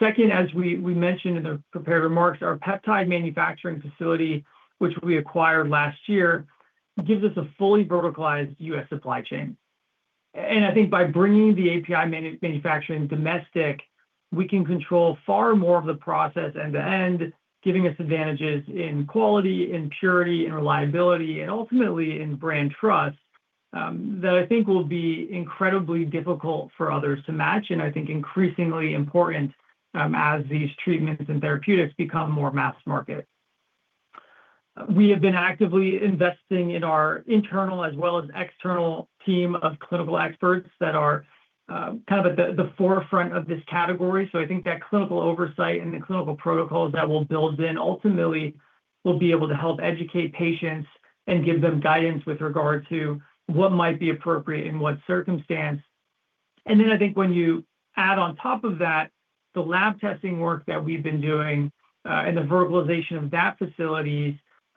Second, as we mentioned in the prepared remarks, our peptide manufacturing facility, which we acquired last year, gives us a fully verticalized U.S. supply chain. I think by bringing the API manufacturing domestic, we can control far more of the process end to end, giving us advantages in quality, in purity, in reliability, and ultimately in brand trust, that I think will be incredibly difficult for others to match, and I think increasingly important, as these treatments and therapeutics become more mass market. We have been actively investing in our internal as well as external team of clinical experts that are kind of at the forefront of this category. I think that clinical oversight and the clinical protocols that we'll build in ultimately will be able to help educate patients and give them guidance with regard to what might be appropriate in what circumstance. Then I think when you add on top of that the lab testing work that we've been doing, and the verticalization of that facilities,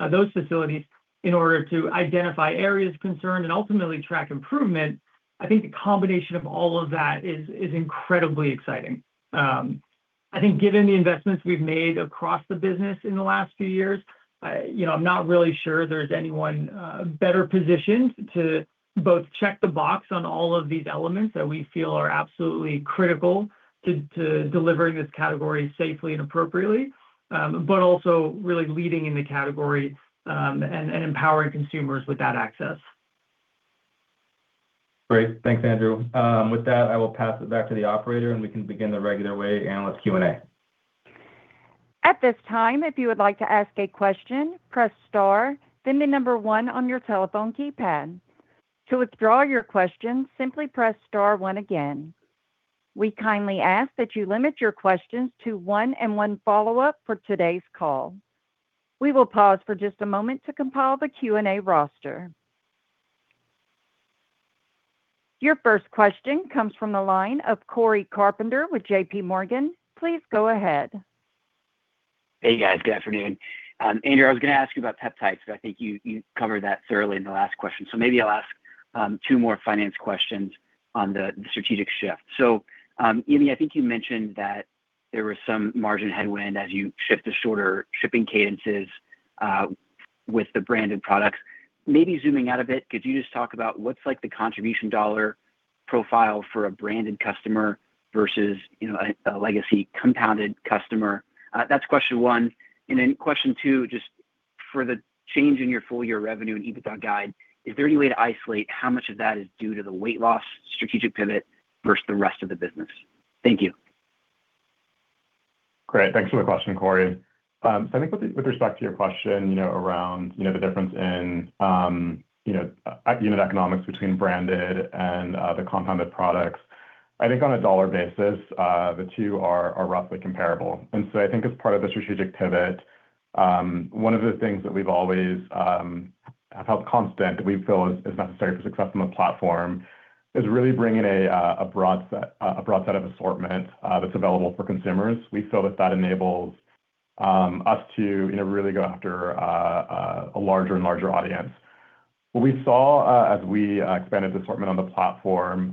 those facilities in order to identify areas of concern and ultimately track improvement, I think the combination of all of that is incredibly exciting. I think given the investments we've made across the business in the last few years, I, you know, I'm not really sure there's anyone better positioned to both check the box on all of these elements that we feel are absolutely critical to delivering this category safely and appropriately, but also really leading in the category and empowering consumers with that access. Great. Thanks, Andrew. With that, I will pass it back to the operator, and we can begin the regular way analyst Q&A. At this time, if you would like to ask a question, press star, then the number one on your telephone keypad. To withdraw your question, simply press star one again. We kindly ask that you limit your questions to one and one follow-up for today's call. We will pause for just a moment to compile the Q&A roster. Your first question comes from the line of Cory Carpenter with JPMorgan. Please go ahead. Hey, guys. Good afternoon. Andrew, I was gonna ask you about peptides, I think you covered that thoroughly in the last question. Maybe I'll ask two more finance questions on the strategic shift. Yemi, I think you mentioned that there was some margin headwind as you shift to shorter shipping cadences with the branded products. Maybe zooming out a bit, could you just talk about what's like the contribution dollar profile for a branded customer versus, you know, a legacy compounded customer? That's question one. Question two, just for the change in your full year revenue and EBITDA guide, is there any way to isolate how much of that is due to the weight loss strategic pivot versus the rest of the business? Thank you. Great. Thanks for the question, Cory. I think with respect to your question, you know, around, you know, the difference in unit economics between branded and the compounded products, I think on a dollar basis, the two are roughly comparable. I think as part of the strategic pivot, one of the things that we've always have held constant that we feel is necessary for success from a platform is really bringing a broad set of assortment that's available for consumers. We feel that that enables us to, you know, really go after a larger and larger audience. What we saw, as we expanded the assortment on the platform,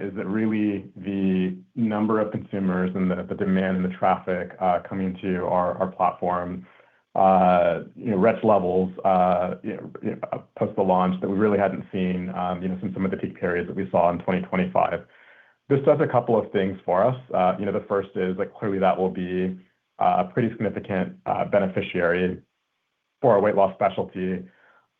is that really the number of consumers and the demand and the traffic coming to our platform, you know, reached levels, you know, post the launch that we really hadn't seen, you know, since some of the peak periods that we saw in 2025. This does a couple of things for us. You know, the first is, like, clearly that will be a pretty significant beneficiary for our weight loss specialty.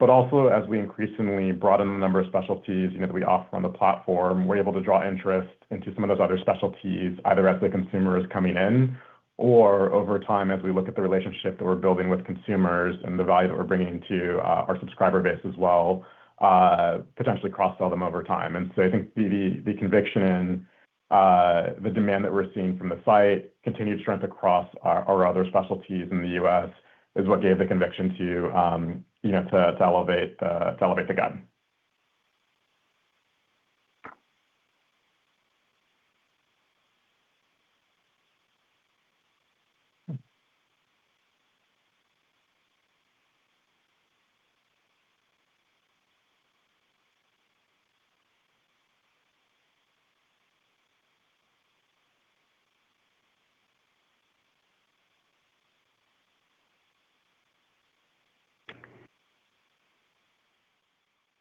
Also as we increasingly broaden the number of specialties, you know, that we offer on the platform, we're able to draw interest into some of those other specialties, either as the consumer is coming in or over time, as we look at the relationship that we're building with consumers and the value that we're bringing to our subscriber base as well, potentially cross-sell them over time. I think the conviction in the demand that we're seeing from the site, continued strength across our other specialties in the U.S. is what gave the conviction to, you know, to elevate the guide.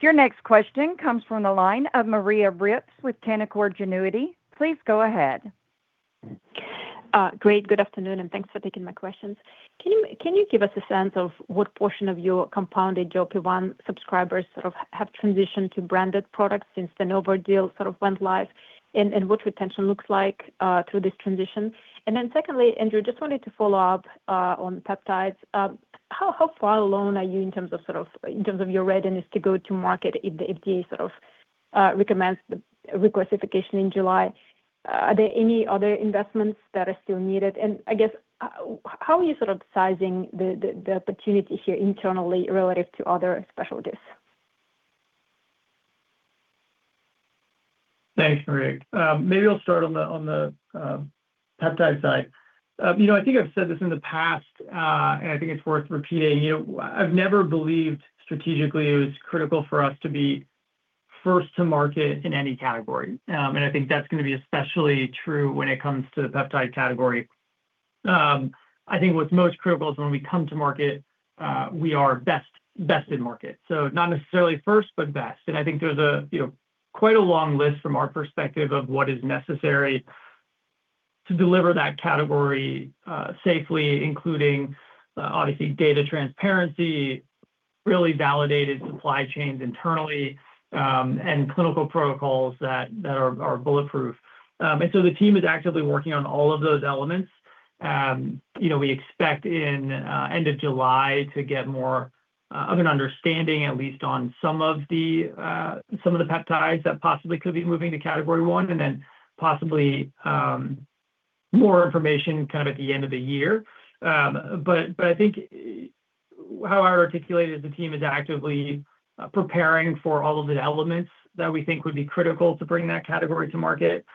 Your next question comes from the line of Maria Ripps with Canaccord Genuity. Please go ahead. Great. Good afternoon, and thanks for taking my questions. Can you give us a sense of what portion of your compounded GLP-1 subscribers sort of have transitioned to branded products since the Novo deal sort of went live, and what retention looks like through this transition? Secondly, Andrew, just wanted to follow up on peptides. How far along are you in terms of your readiness to go to market if the FDA sort of recommends the reclassification in July? Are there any other investments that are still needed? I guess, how are you sort of sizing the opportunity here internally relative to other specialties? Thanks, Maria. Maybe I'll start on the peptide side. You know, I think I've said this in the past. I think it's worth repeating. You know, I've never believed strategically it was critical for us to be first to market in any category. I think that's gonna be especially true when it comes to the peptide category. I think what's most critical is when we come to market, we are best in market. Not necessarily first, but best. I think there's a, you know, quite a long list from our perspective of what is necessary to deliver that category safely, including obviously data transparency, really validated supply chains internally, and clinical protocols that are bulletproof. The team is actively working on all of those elements. You know, we expect in end of July to get more of an understanding at least on some of the some of the peptides that possibly could be moving to Category 1 and then possibly more information kind of at the end of the year. I think how I articulated, the team is actively preparing for all of the elements that we think would be critical to bring that category to market.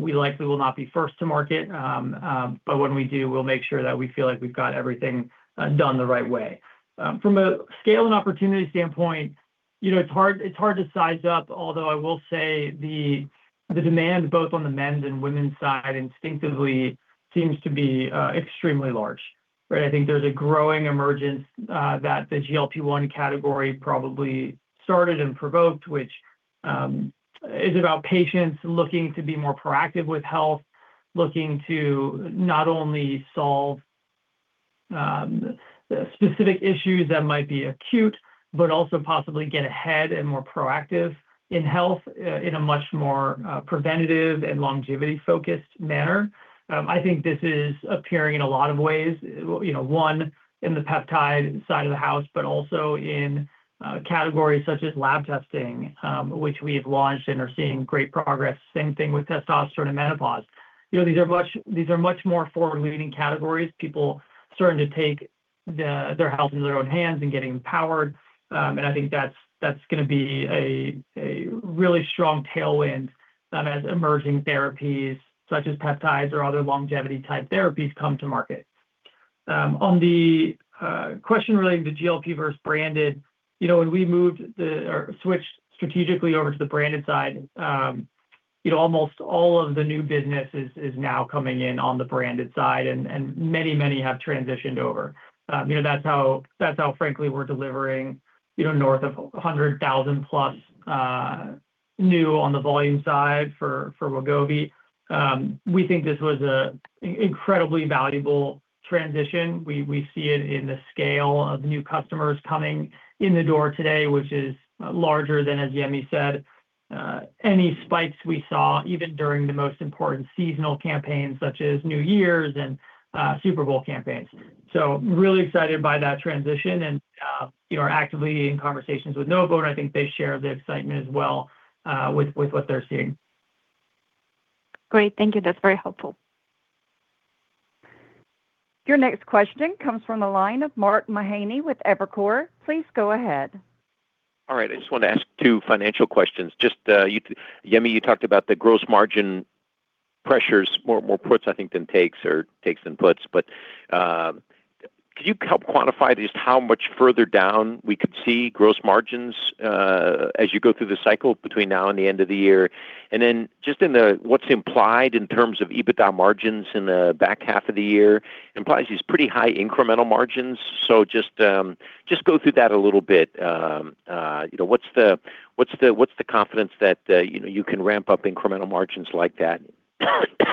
We likely will not be first to market, but when we do, we'll make sure that we feel like we've got everything done the right way. From a scale and opportunity standpoint, you know, it's hard to size up, although I will say the demand both on the men's and women's side instinctively seems to be extremely large, right? I think there's a growing emergence that the GLP-1 category probably started and provoked, which is about patients looking to be more proactive with health, looking to not only solve the specific issues that might be acute, but also possibly get ahead and more proactive in health in a much more preventative and longevity-focused manner. I think this is appearing in a lot of ways. You know, one, in the peptide side of the house, but also in categories such as lab testing, which we have launched and are seeing great progress. Same thing with testosterone and menopause. You know, these are much more forward-leading categories. People starting to take their health into their own hands and getting empowered. I think that's gonna be a really strong tailwind as emerging therapies such as peptides or other longevity-type therapies come to market. On the question relating to GLP versus branded, you know, when we switched strategically over to the branded side, you know, almost all of the new business is now coming in on the branded side and many have transitioned over. You know, that's how frankly we're delivering, you know, north of 100,000+ new on the volume side for Wegovy. We think this was a incredibly valuable transition. We see it in the scale of new customers coming in the door today, which is larger than, as Yemi said, any spikes we saw even during the most important seasonal campaigns such as New Year's and Super Bowl campaigns. Really excited by that transition and, you know, are actively in conversations with Novo, and I think they share the excitement as well, with what they're seeing. Great. Thank you. That's very helpful. Your next question comes from the line of Mark Mahaney with Evercore. Please go ahead. All right. I just wanted to ask two financial questions. Yemi, you talked about the gross margin pressures, more puts I think than takes or takes than puts. Could you help quantify just how much further down we could see gross margins as you go through the cycle between now and the end of the year? What's implied in terms of EBITDA margins in the back half of the year implies these pretty high incremental margins. Just go through that a little bit. You know, what's the confidence that, you know, you can ramp up incremental margins like that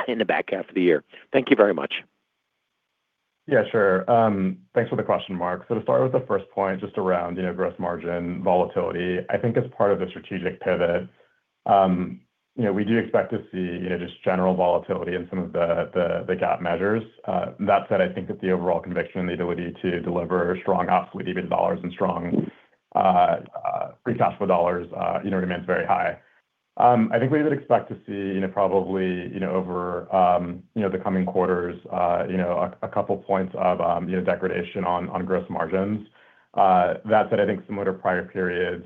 in the back half of the year? Thank you very much. Yeah, sure. Thanks for the question, Mark. To start with the first point, just around, you know, gross margin volatility, I think as part of the strategic pivot, you know, we do expect to see, you know, just general volatility in some of the GAAP measures. That said, I think that the overall conviction and the ability to deliver strong absolute EBITDA dollars and strong free cash flow dollars, you know, remains very high. I think we would expect to see, you know, probably, you know, over, you know, the coming quarters, you know, a couple points of, you know, degradation on gross margins. That said, I think similar to prior periods,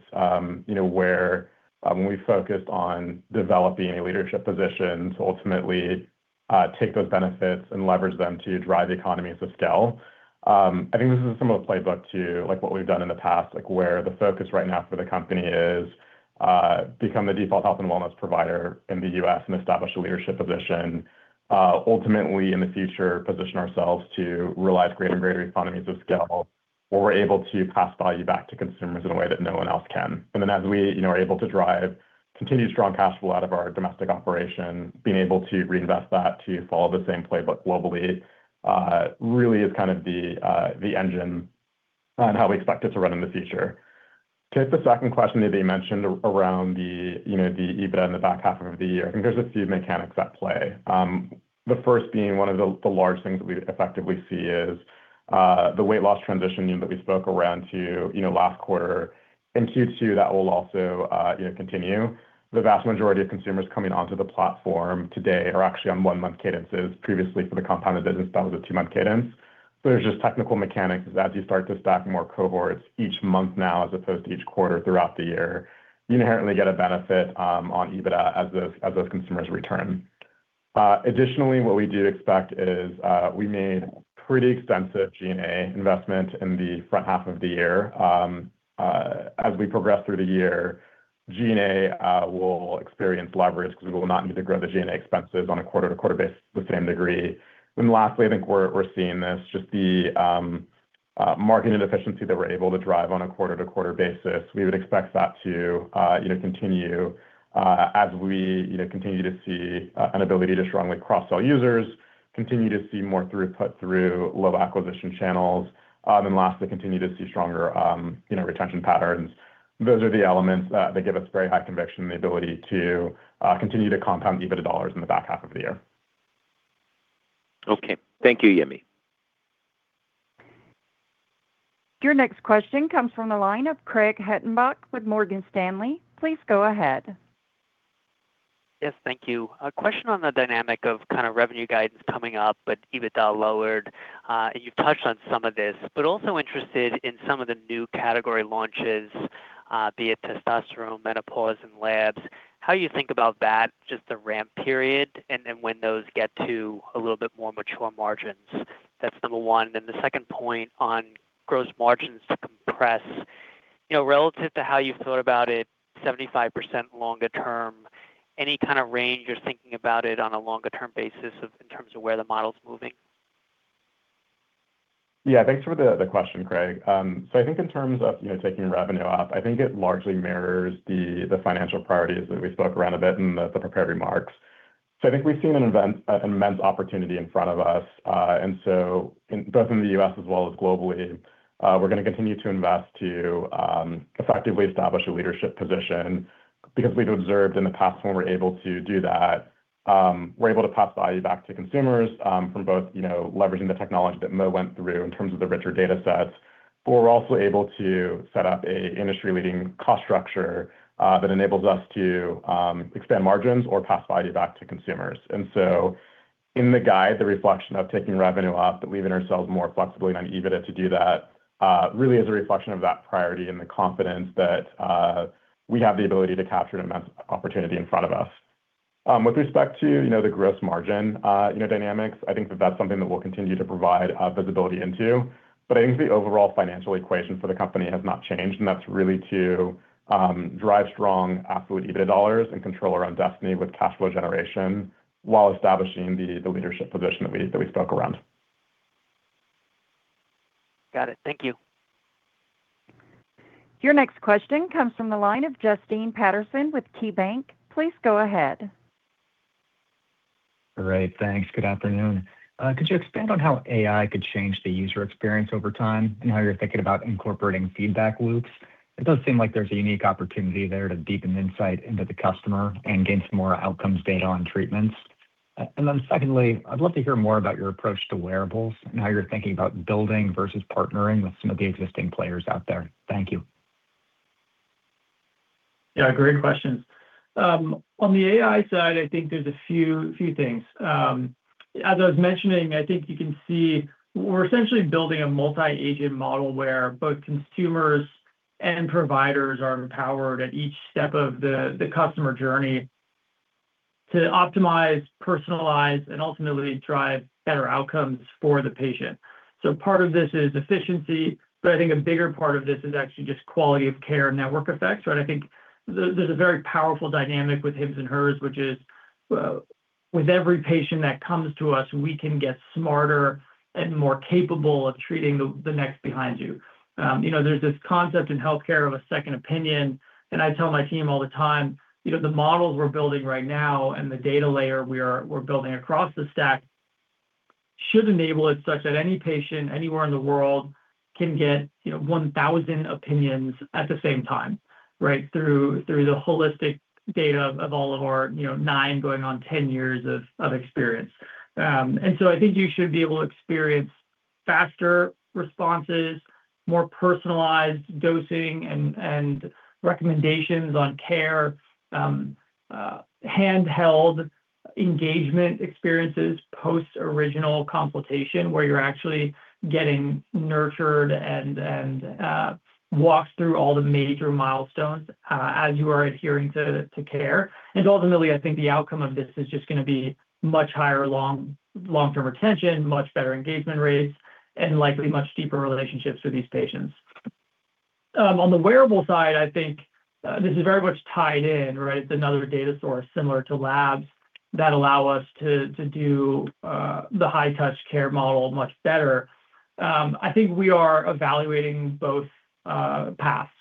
you know, where, when we focused on developing a leadership position to ultimately take those benefits and leverage them to drive the economies of scale. I think this is similar playbook to like what we've done in the past, like where the focus right now for the company is become the default health and wellness provider in the U.S. and establish a leadership position. Ultimately, in the future, position ourselves to realize greater and greater economies of scale, where we're able to pass value back to consumers in a way that no one else can. As we, you know, are able to drive continued strong cash flow out of our domestic operation, being able to reinvest that to follow the same playbook globally, really is kind of the engine on how we expect it to run in the future. To hit the second question that you mentioned around the, you know, the EBITDA in the back half of the year, I think there's a few mechanics at play. The first being one of the large things that we effectively see is the weight loss transition that we spoke around to, you know, last quarter. In Q2, that will also, you know, continue. The vast majority of consumers coming onto the platform today are actually on one-month cadences. Previously for the compounded business, that was a two-month cadence. There's just technical mechanics as you start to stack more cohorts each month now, as opposed to each quarter throughout the year, you inherently get a benefit on EBITDA as those consumers return. Additionally, what we do expect is, we made pretty extensive G&A investment in the front half of the year. As we progress through the year, G&A will experience leverage because we will not need to grow the G&A expenses on a quarter-to-quarter basis to the same degree. Lastly, I think we're seeing this, just the marketing efficiency that we're able to drive on a quarter-to-quarter basis. We would expect that to, you know, continue as we, you know, continue to see an ability to strongly cross-sell users, continue to see more throughput through low acquisition channels. Lastly, continue to see stronger, you know, retention patterns. Those are the elements that give us very high conviction in the ability to continue to compound EBITDA dollars in the back half of the year. Okay. Thank you, Yemi. Your next question comes from the line of Craig Hettenbach with Morgan Stanley. Please go ahead. Yes, thank you. A question on the dynamic of kind of revenue guidance coming up, but EBITDA lowered. You've touched on some of this, but also interested in some of the new category launches, be it testosterone, menopause, and labs. How you think about that, just the ramp period and when those get to a little bit more mature margins? That's number one. The second point on gross margins to compress. You know, relative to how you've thought about it 75% longer term, any kind of range you're thinking about it on a longer term basis in terms of where the model's moving? Yeah. Thanks for the question, Craig. I think in terms of, you know, taking revenue up, I think it largely mirrors the financial priorities that we spoke around a bit in the prepared remarks. I think we've seen an immense opportunity in front of us. Both in the U.S. as well as globally, we're gonna continue to invest to effectively establish a leadership position. Because we've observed in the past when we're able to do that, we're able to pass value back to consumers, from both, you know, leveraging the technology that Mo went through in terms of the richer data sets. We're also able to set up an industry-leading cost structure that enables us to expand margins or pass value back to consumers. In the guide, the reflection of taking revenue up, but leaving ourselves more flexibility on EBITDA to do that, really is a reflection of that priority and the confidence that we have the ability to capture an immense opportunity in front of us. With respect to, you know, the gross margin, you know, dynamics, I think that that's something that we'll continue to provide visibility into. I think the overall financial equation for the company has not changed, and that's really to drive strong absolute EBITDA dollars and control our own destiny with cash flow generation while establishing the leadership position that we spoke around. Got it. Thank you. Your next question comes from the line of Justin Patterson with KeyBanc. Please go ahead. All right, thanks. Good afternoon. Could you expand on how AI could change the user experience over time and how you're thinking about incorporating feedback loops? It does seem like there's a unique opportunity there to deepen insight into the customer and gain some more outcomes data on treatments. Secondly, I'd love to hear more about your approach to wearables and how you're thinking about building versus partnering with some of the existing players out there. Thank you. Yeah, great questions. On the AI side, I think there's a few things. As I was mentioning, I think you can see we're essentially building a multi-agent model where both consumers and providers are empowered at each step of the customer journey to optimize, personalize, and ultimately drive better outcomes for the patient. Part of this is efficiency, but I think a bigger part of this is actually just quality of care network effects, right? I think there's a very powerful dynamic with Hims & Hers, which is, with every patient that comes to us, we can get smarter and more capable of treating the next behind you. You know, there's this concept in healthcare of a second opinion, and I tell my team all the time, you know, the models we're building right now and the data layer we're building across the stack should enable it such that any patient anywhere in the world can get, you know, 1,000 opinions at the same time, right? Through the holistic data of all of our, you know, nine going on 10 years of experience. I think you should be able to experience faster responses, more personalized dosing and recommendations on care. Handheld engagement experiences post original consultation where you're actually getting nurtured and walked through all the major milestones as you are adhering to care. Ultimately, I think the outcome of this is just gonna be much higher long-term retention, much better engagement rates, and likely much deeper relationships with these patients. On the wearable side, I think this is very much tied in, right. Another data source similar to labs that allow us to do the high touch care model much better. I think we are evaluating both paths.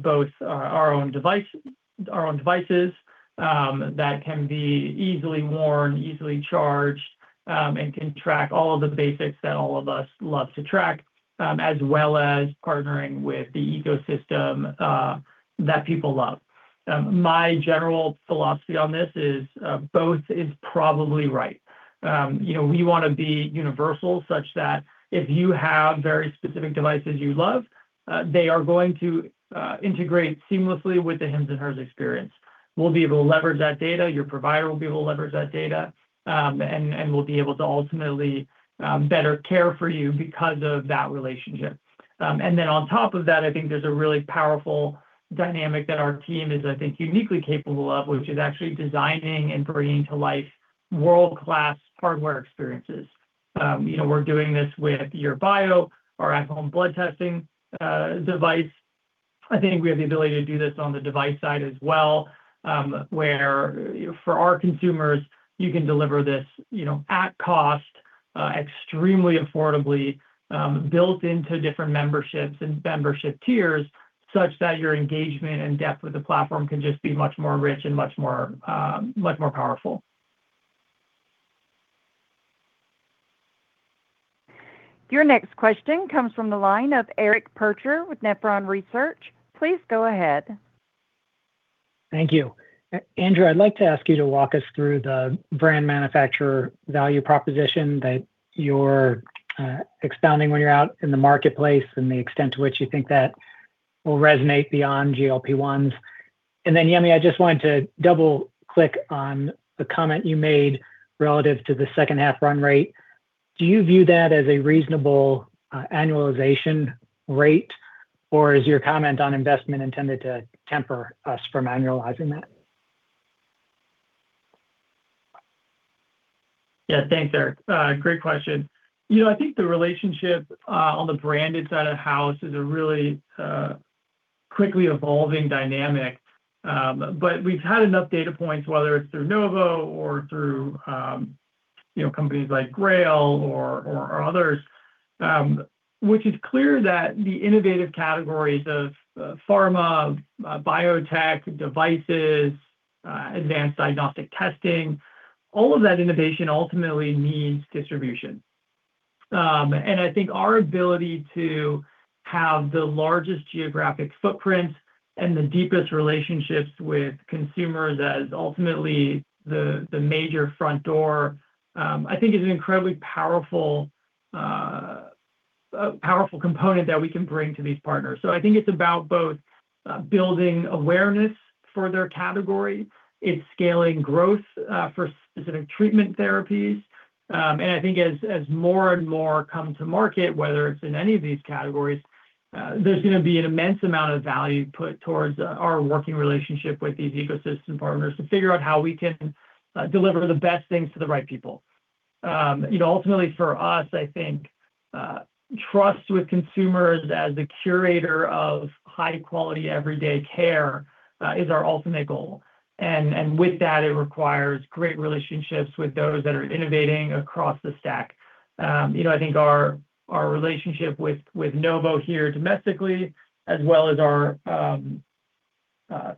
Both our own devices that can be easily worn, easily charged, and can track all of the basics that all of us love to track. As well as partnering with the ecosystem that people love. My general philosophy on this is both is probably right. You know, we wanna be universal such that if you have very specific devices you love, they are going to integrate seamlessly with the Hims & Hers experience. We'll be able to leverage that data, your provider will be able to leverage that data. We'll be able to ultimately better care for you because of that relationship. On top of that, I think there's a really powerful dynamic that our team is, I think, uniquely capable of, which is actually designing and bringing to life world-class hardware experiences. You know, we're doing this with YourBio, our at home blood testing device. I think we have the ability to do this on the device side as well, where for our consumers, you can deliver this, you know, at cost, extremely affordably. Built into different memberships and membership tiers such that your engagement and depth with the platform can just be much more rich and much more, much more powerful. Your next question comes from the line of Eric Percher with Nephron Research. Please go ahead. Thank you. Andrew, I'd like to ask you to walk us through the brand manufacturer value proposition that you're expounding when you're out in the marketplace and the extent to which you think that will resonate beyond GLP-1s. Yemi, I just wanted to double-click on the comment you made relative to the second half run rate. Do you view that as a reasonable annualization rate, or is your comment on investment intended to temper us from annualizing that? Yeah. Thanks, Eric. Great question. You know, I think the relationship on the branded side of house is a really quickly evolving dynamic. We've had enough data points, whether it's through Novo or through, you know, companies like GRAIL or others, which is clear that the innovative categories of pharma, biotech, devices, advanced diagnostic testing, all of that innovation ultimately needs distribution. I think our ability to have the largest geographic footprint and the deepest relationships with consumers as ultimately the major front door, I think is an incredibly powerful, a powerful component that we can bring to these partners. I think it's about both building awareness for their category. It's scaling growth for specific treatment therapies. I think as more and more come to market, whether it's in any of these categories, there's gonna be an immense amount of value put towards our working relationship with these ecosystem partners to figure out how we can deliver the best things to the right people. You know, ultimately for us, I think trust with consumers as a curator of high quality everyday care is our ultimate goal. With that, it requires great relationships with those that are innovating across the stack. You know, I think our relationship with Novo here domestically, as well as our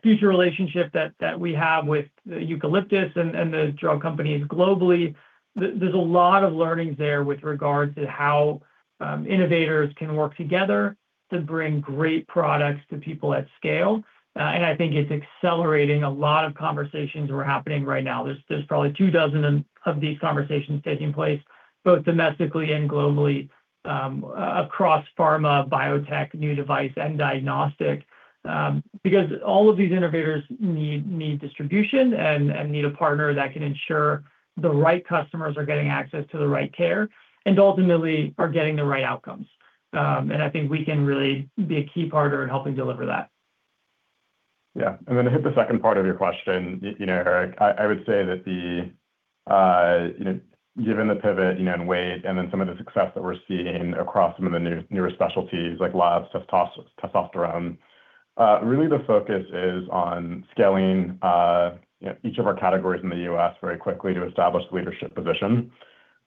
future relationship that we have with Eucalyptus and the drug companies globally, there's a lot of learnings there with regards to how innovators can work together to bring great products to people at scale. I think it's accelerating a lot of conversations that are happening right now. There's probably 2 doz of these conversations taking place, both domestically and globally, across pharma, biotech, new device, and diagnostic. Because all of these innovators need distribution and need a partner that can ensure the right customers are getting access to the right care, and ultimately are getting the right outcomes. I think we can really be a key partner in helping deliver that. To hit the second part of your question, you know, Eric, I would say that the, you know, given the pivot, you know, and weight and then some of the success that we're seeing across some of the newer specialties like labs, testosterone, really the focus is on scaling, you know, each of our categories in the U.S. very quickly to establish leadership position.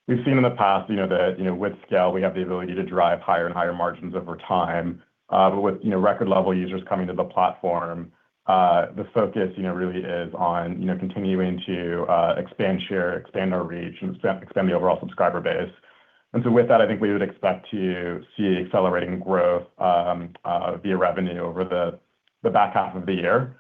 We've seen in the past, you know, that, you know, with scale, we have the ability to drive higher and higher margins over time. With, you know, record level users coming to the platform, the focus, you know, really is on, you know, continuing to expand share, expand our reach, and expand the overall subscriber base. With that, I think we would expect to see accelerating growth via revenue over the back half of the year.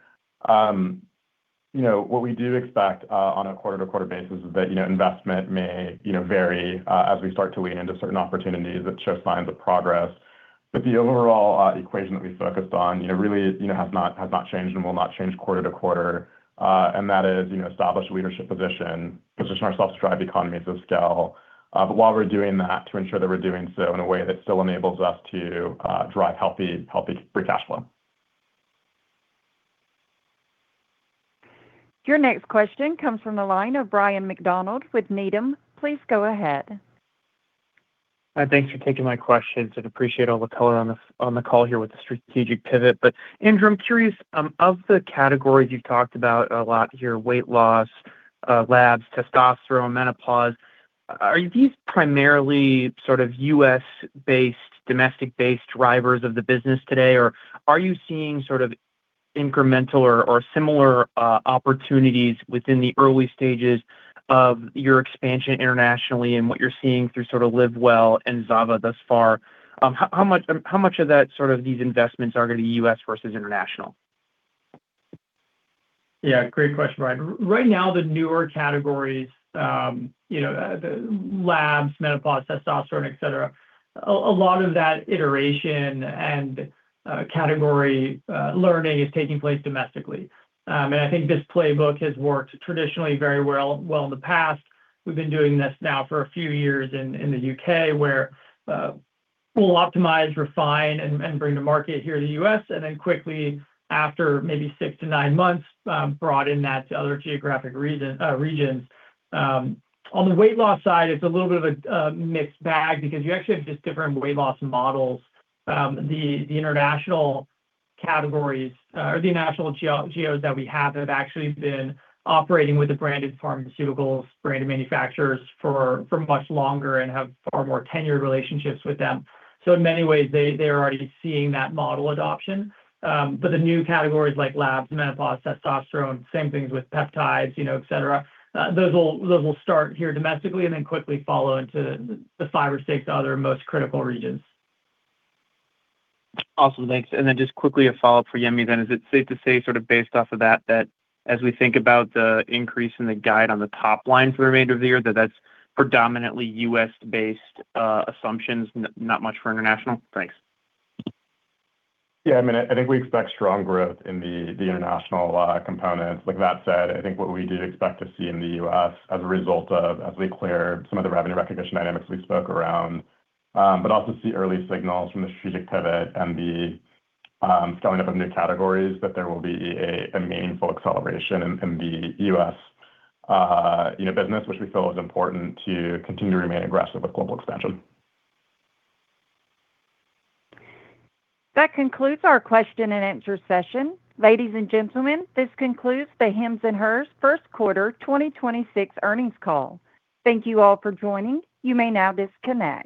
You know, what we do expect on a quarter-to-quarter basis is that, you know, investment may, you know, vary as we start to lean into certain opportunities that show signs of progress. The overall equation that we focused on, you know, really, you know, has not changed and will not change quarter-to-quarter. That is, you know, establish leadership position ourselves to drive economies of scale. While we're doing that, to ensure that we're doing so in a way that still enables us to drive healthy free cash flow. Your next question comes from the line of Ryan MacDonald with Needham. Please go ahead. Thanks for taking my questions and appreciate all the color on the call here with the strategic pivot. Andrew, I'm curious, of the categories you've talked about a lot here, weight loss, labs, testosterone, menopause, are these primarily sort of U.S.-based, domestic-based drivers of the business today? Or are you seeing sort of incremental or similar opportunities within the early stages of your expansion internationally and what you're seeing through sort of Livewell and ZAVA thus far? How much of that sort of these investments are gonna be U.S. versus international? Yeah, great question, Ryan. Right now, the newer categories, you know, the labs, menopause, testosterone, et cetera, a lot of that iteration and category learning is taking place domestically. I think this playbook has worked traditionally very well in the past. We've been doing this now for a few years in the U.K., where we'll optimize, refine, and bring to market here in the U.S., and then quickly, after maybe six to nine months, broaden that to other geographic regions. On the weight loss side, it's a little bit of a mixed bag because you actually have just different weight loss models. The international categories or the international geos that we have actually been operating with the branded pharmaceuticals, branded manufacturers for much longer and have far more tenured relationships with them. In many ways, they're already seeing that model adoption. The new categories like labs, menopause, testosterone, same things with peptides, you know, et cetera, those will start here domestically and then quickly follow into the five or six other most critical regions. Awesome. Thanks. Just quickly a follow-up for Yemi then. Is it safe to say sort of based off of that as we think about the increase in the guide on the top line for the remainder of the year, that that's predominantly U.S.-based assumptions, not much for international? Thanks. Yeah. I mean, I think we expect strong growth in the international components. Like that said, I think what we do expect to see in the U.S. as a result of as we clear some of the revenue recognition dynamics we spoke around, but also see early signals from the strategic pivot and the scaling up of new categories, that there will be a meaningful acceleration in the U.S., you know, business, which we feel is important to continue to remain aggressive with global expansion. That concludes our question-and-answer session. Ladies and gentlemen, this concludes the Hims & Hers first quarter 2026 earnings call. Thank you all for joining. You may now disconnect.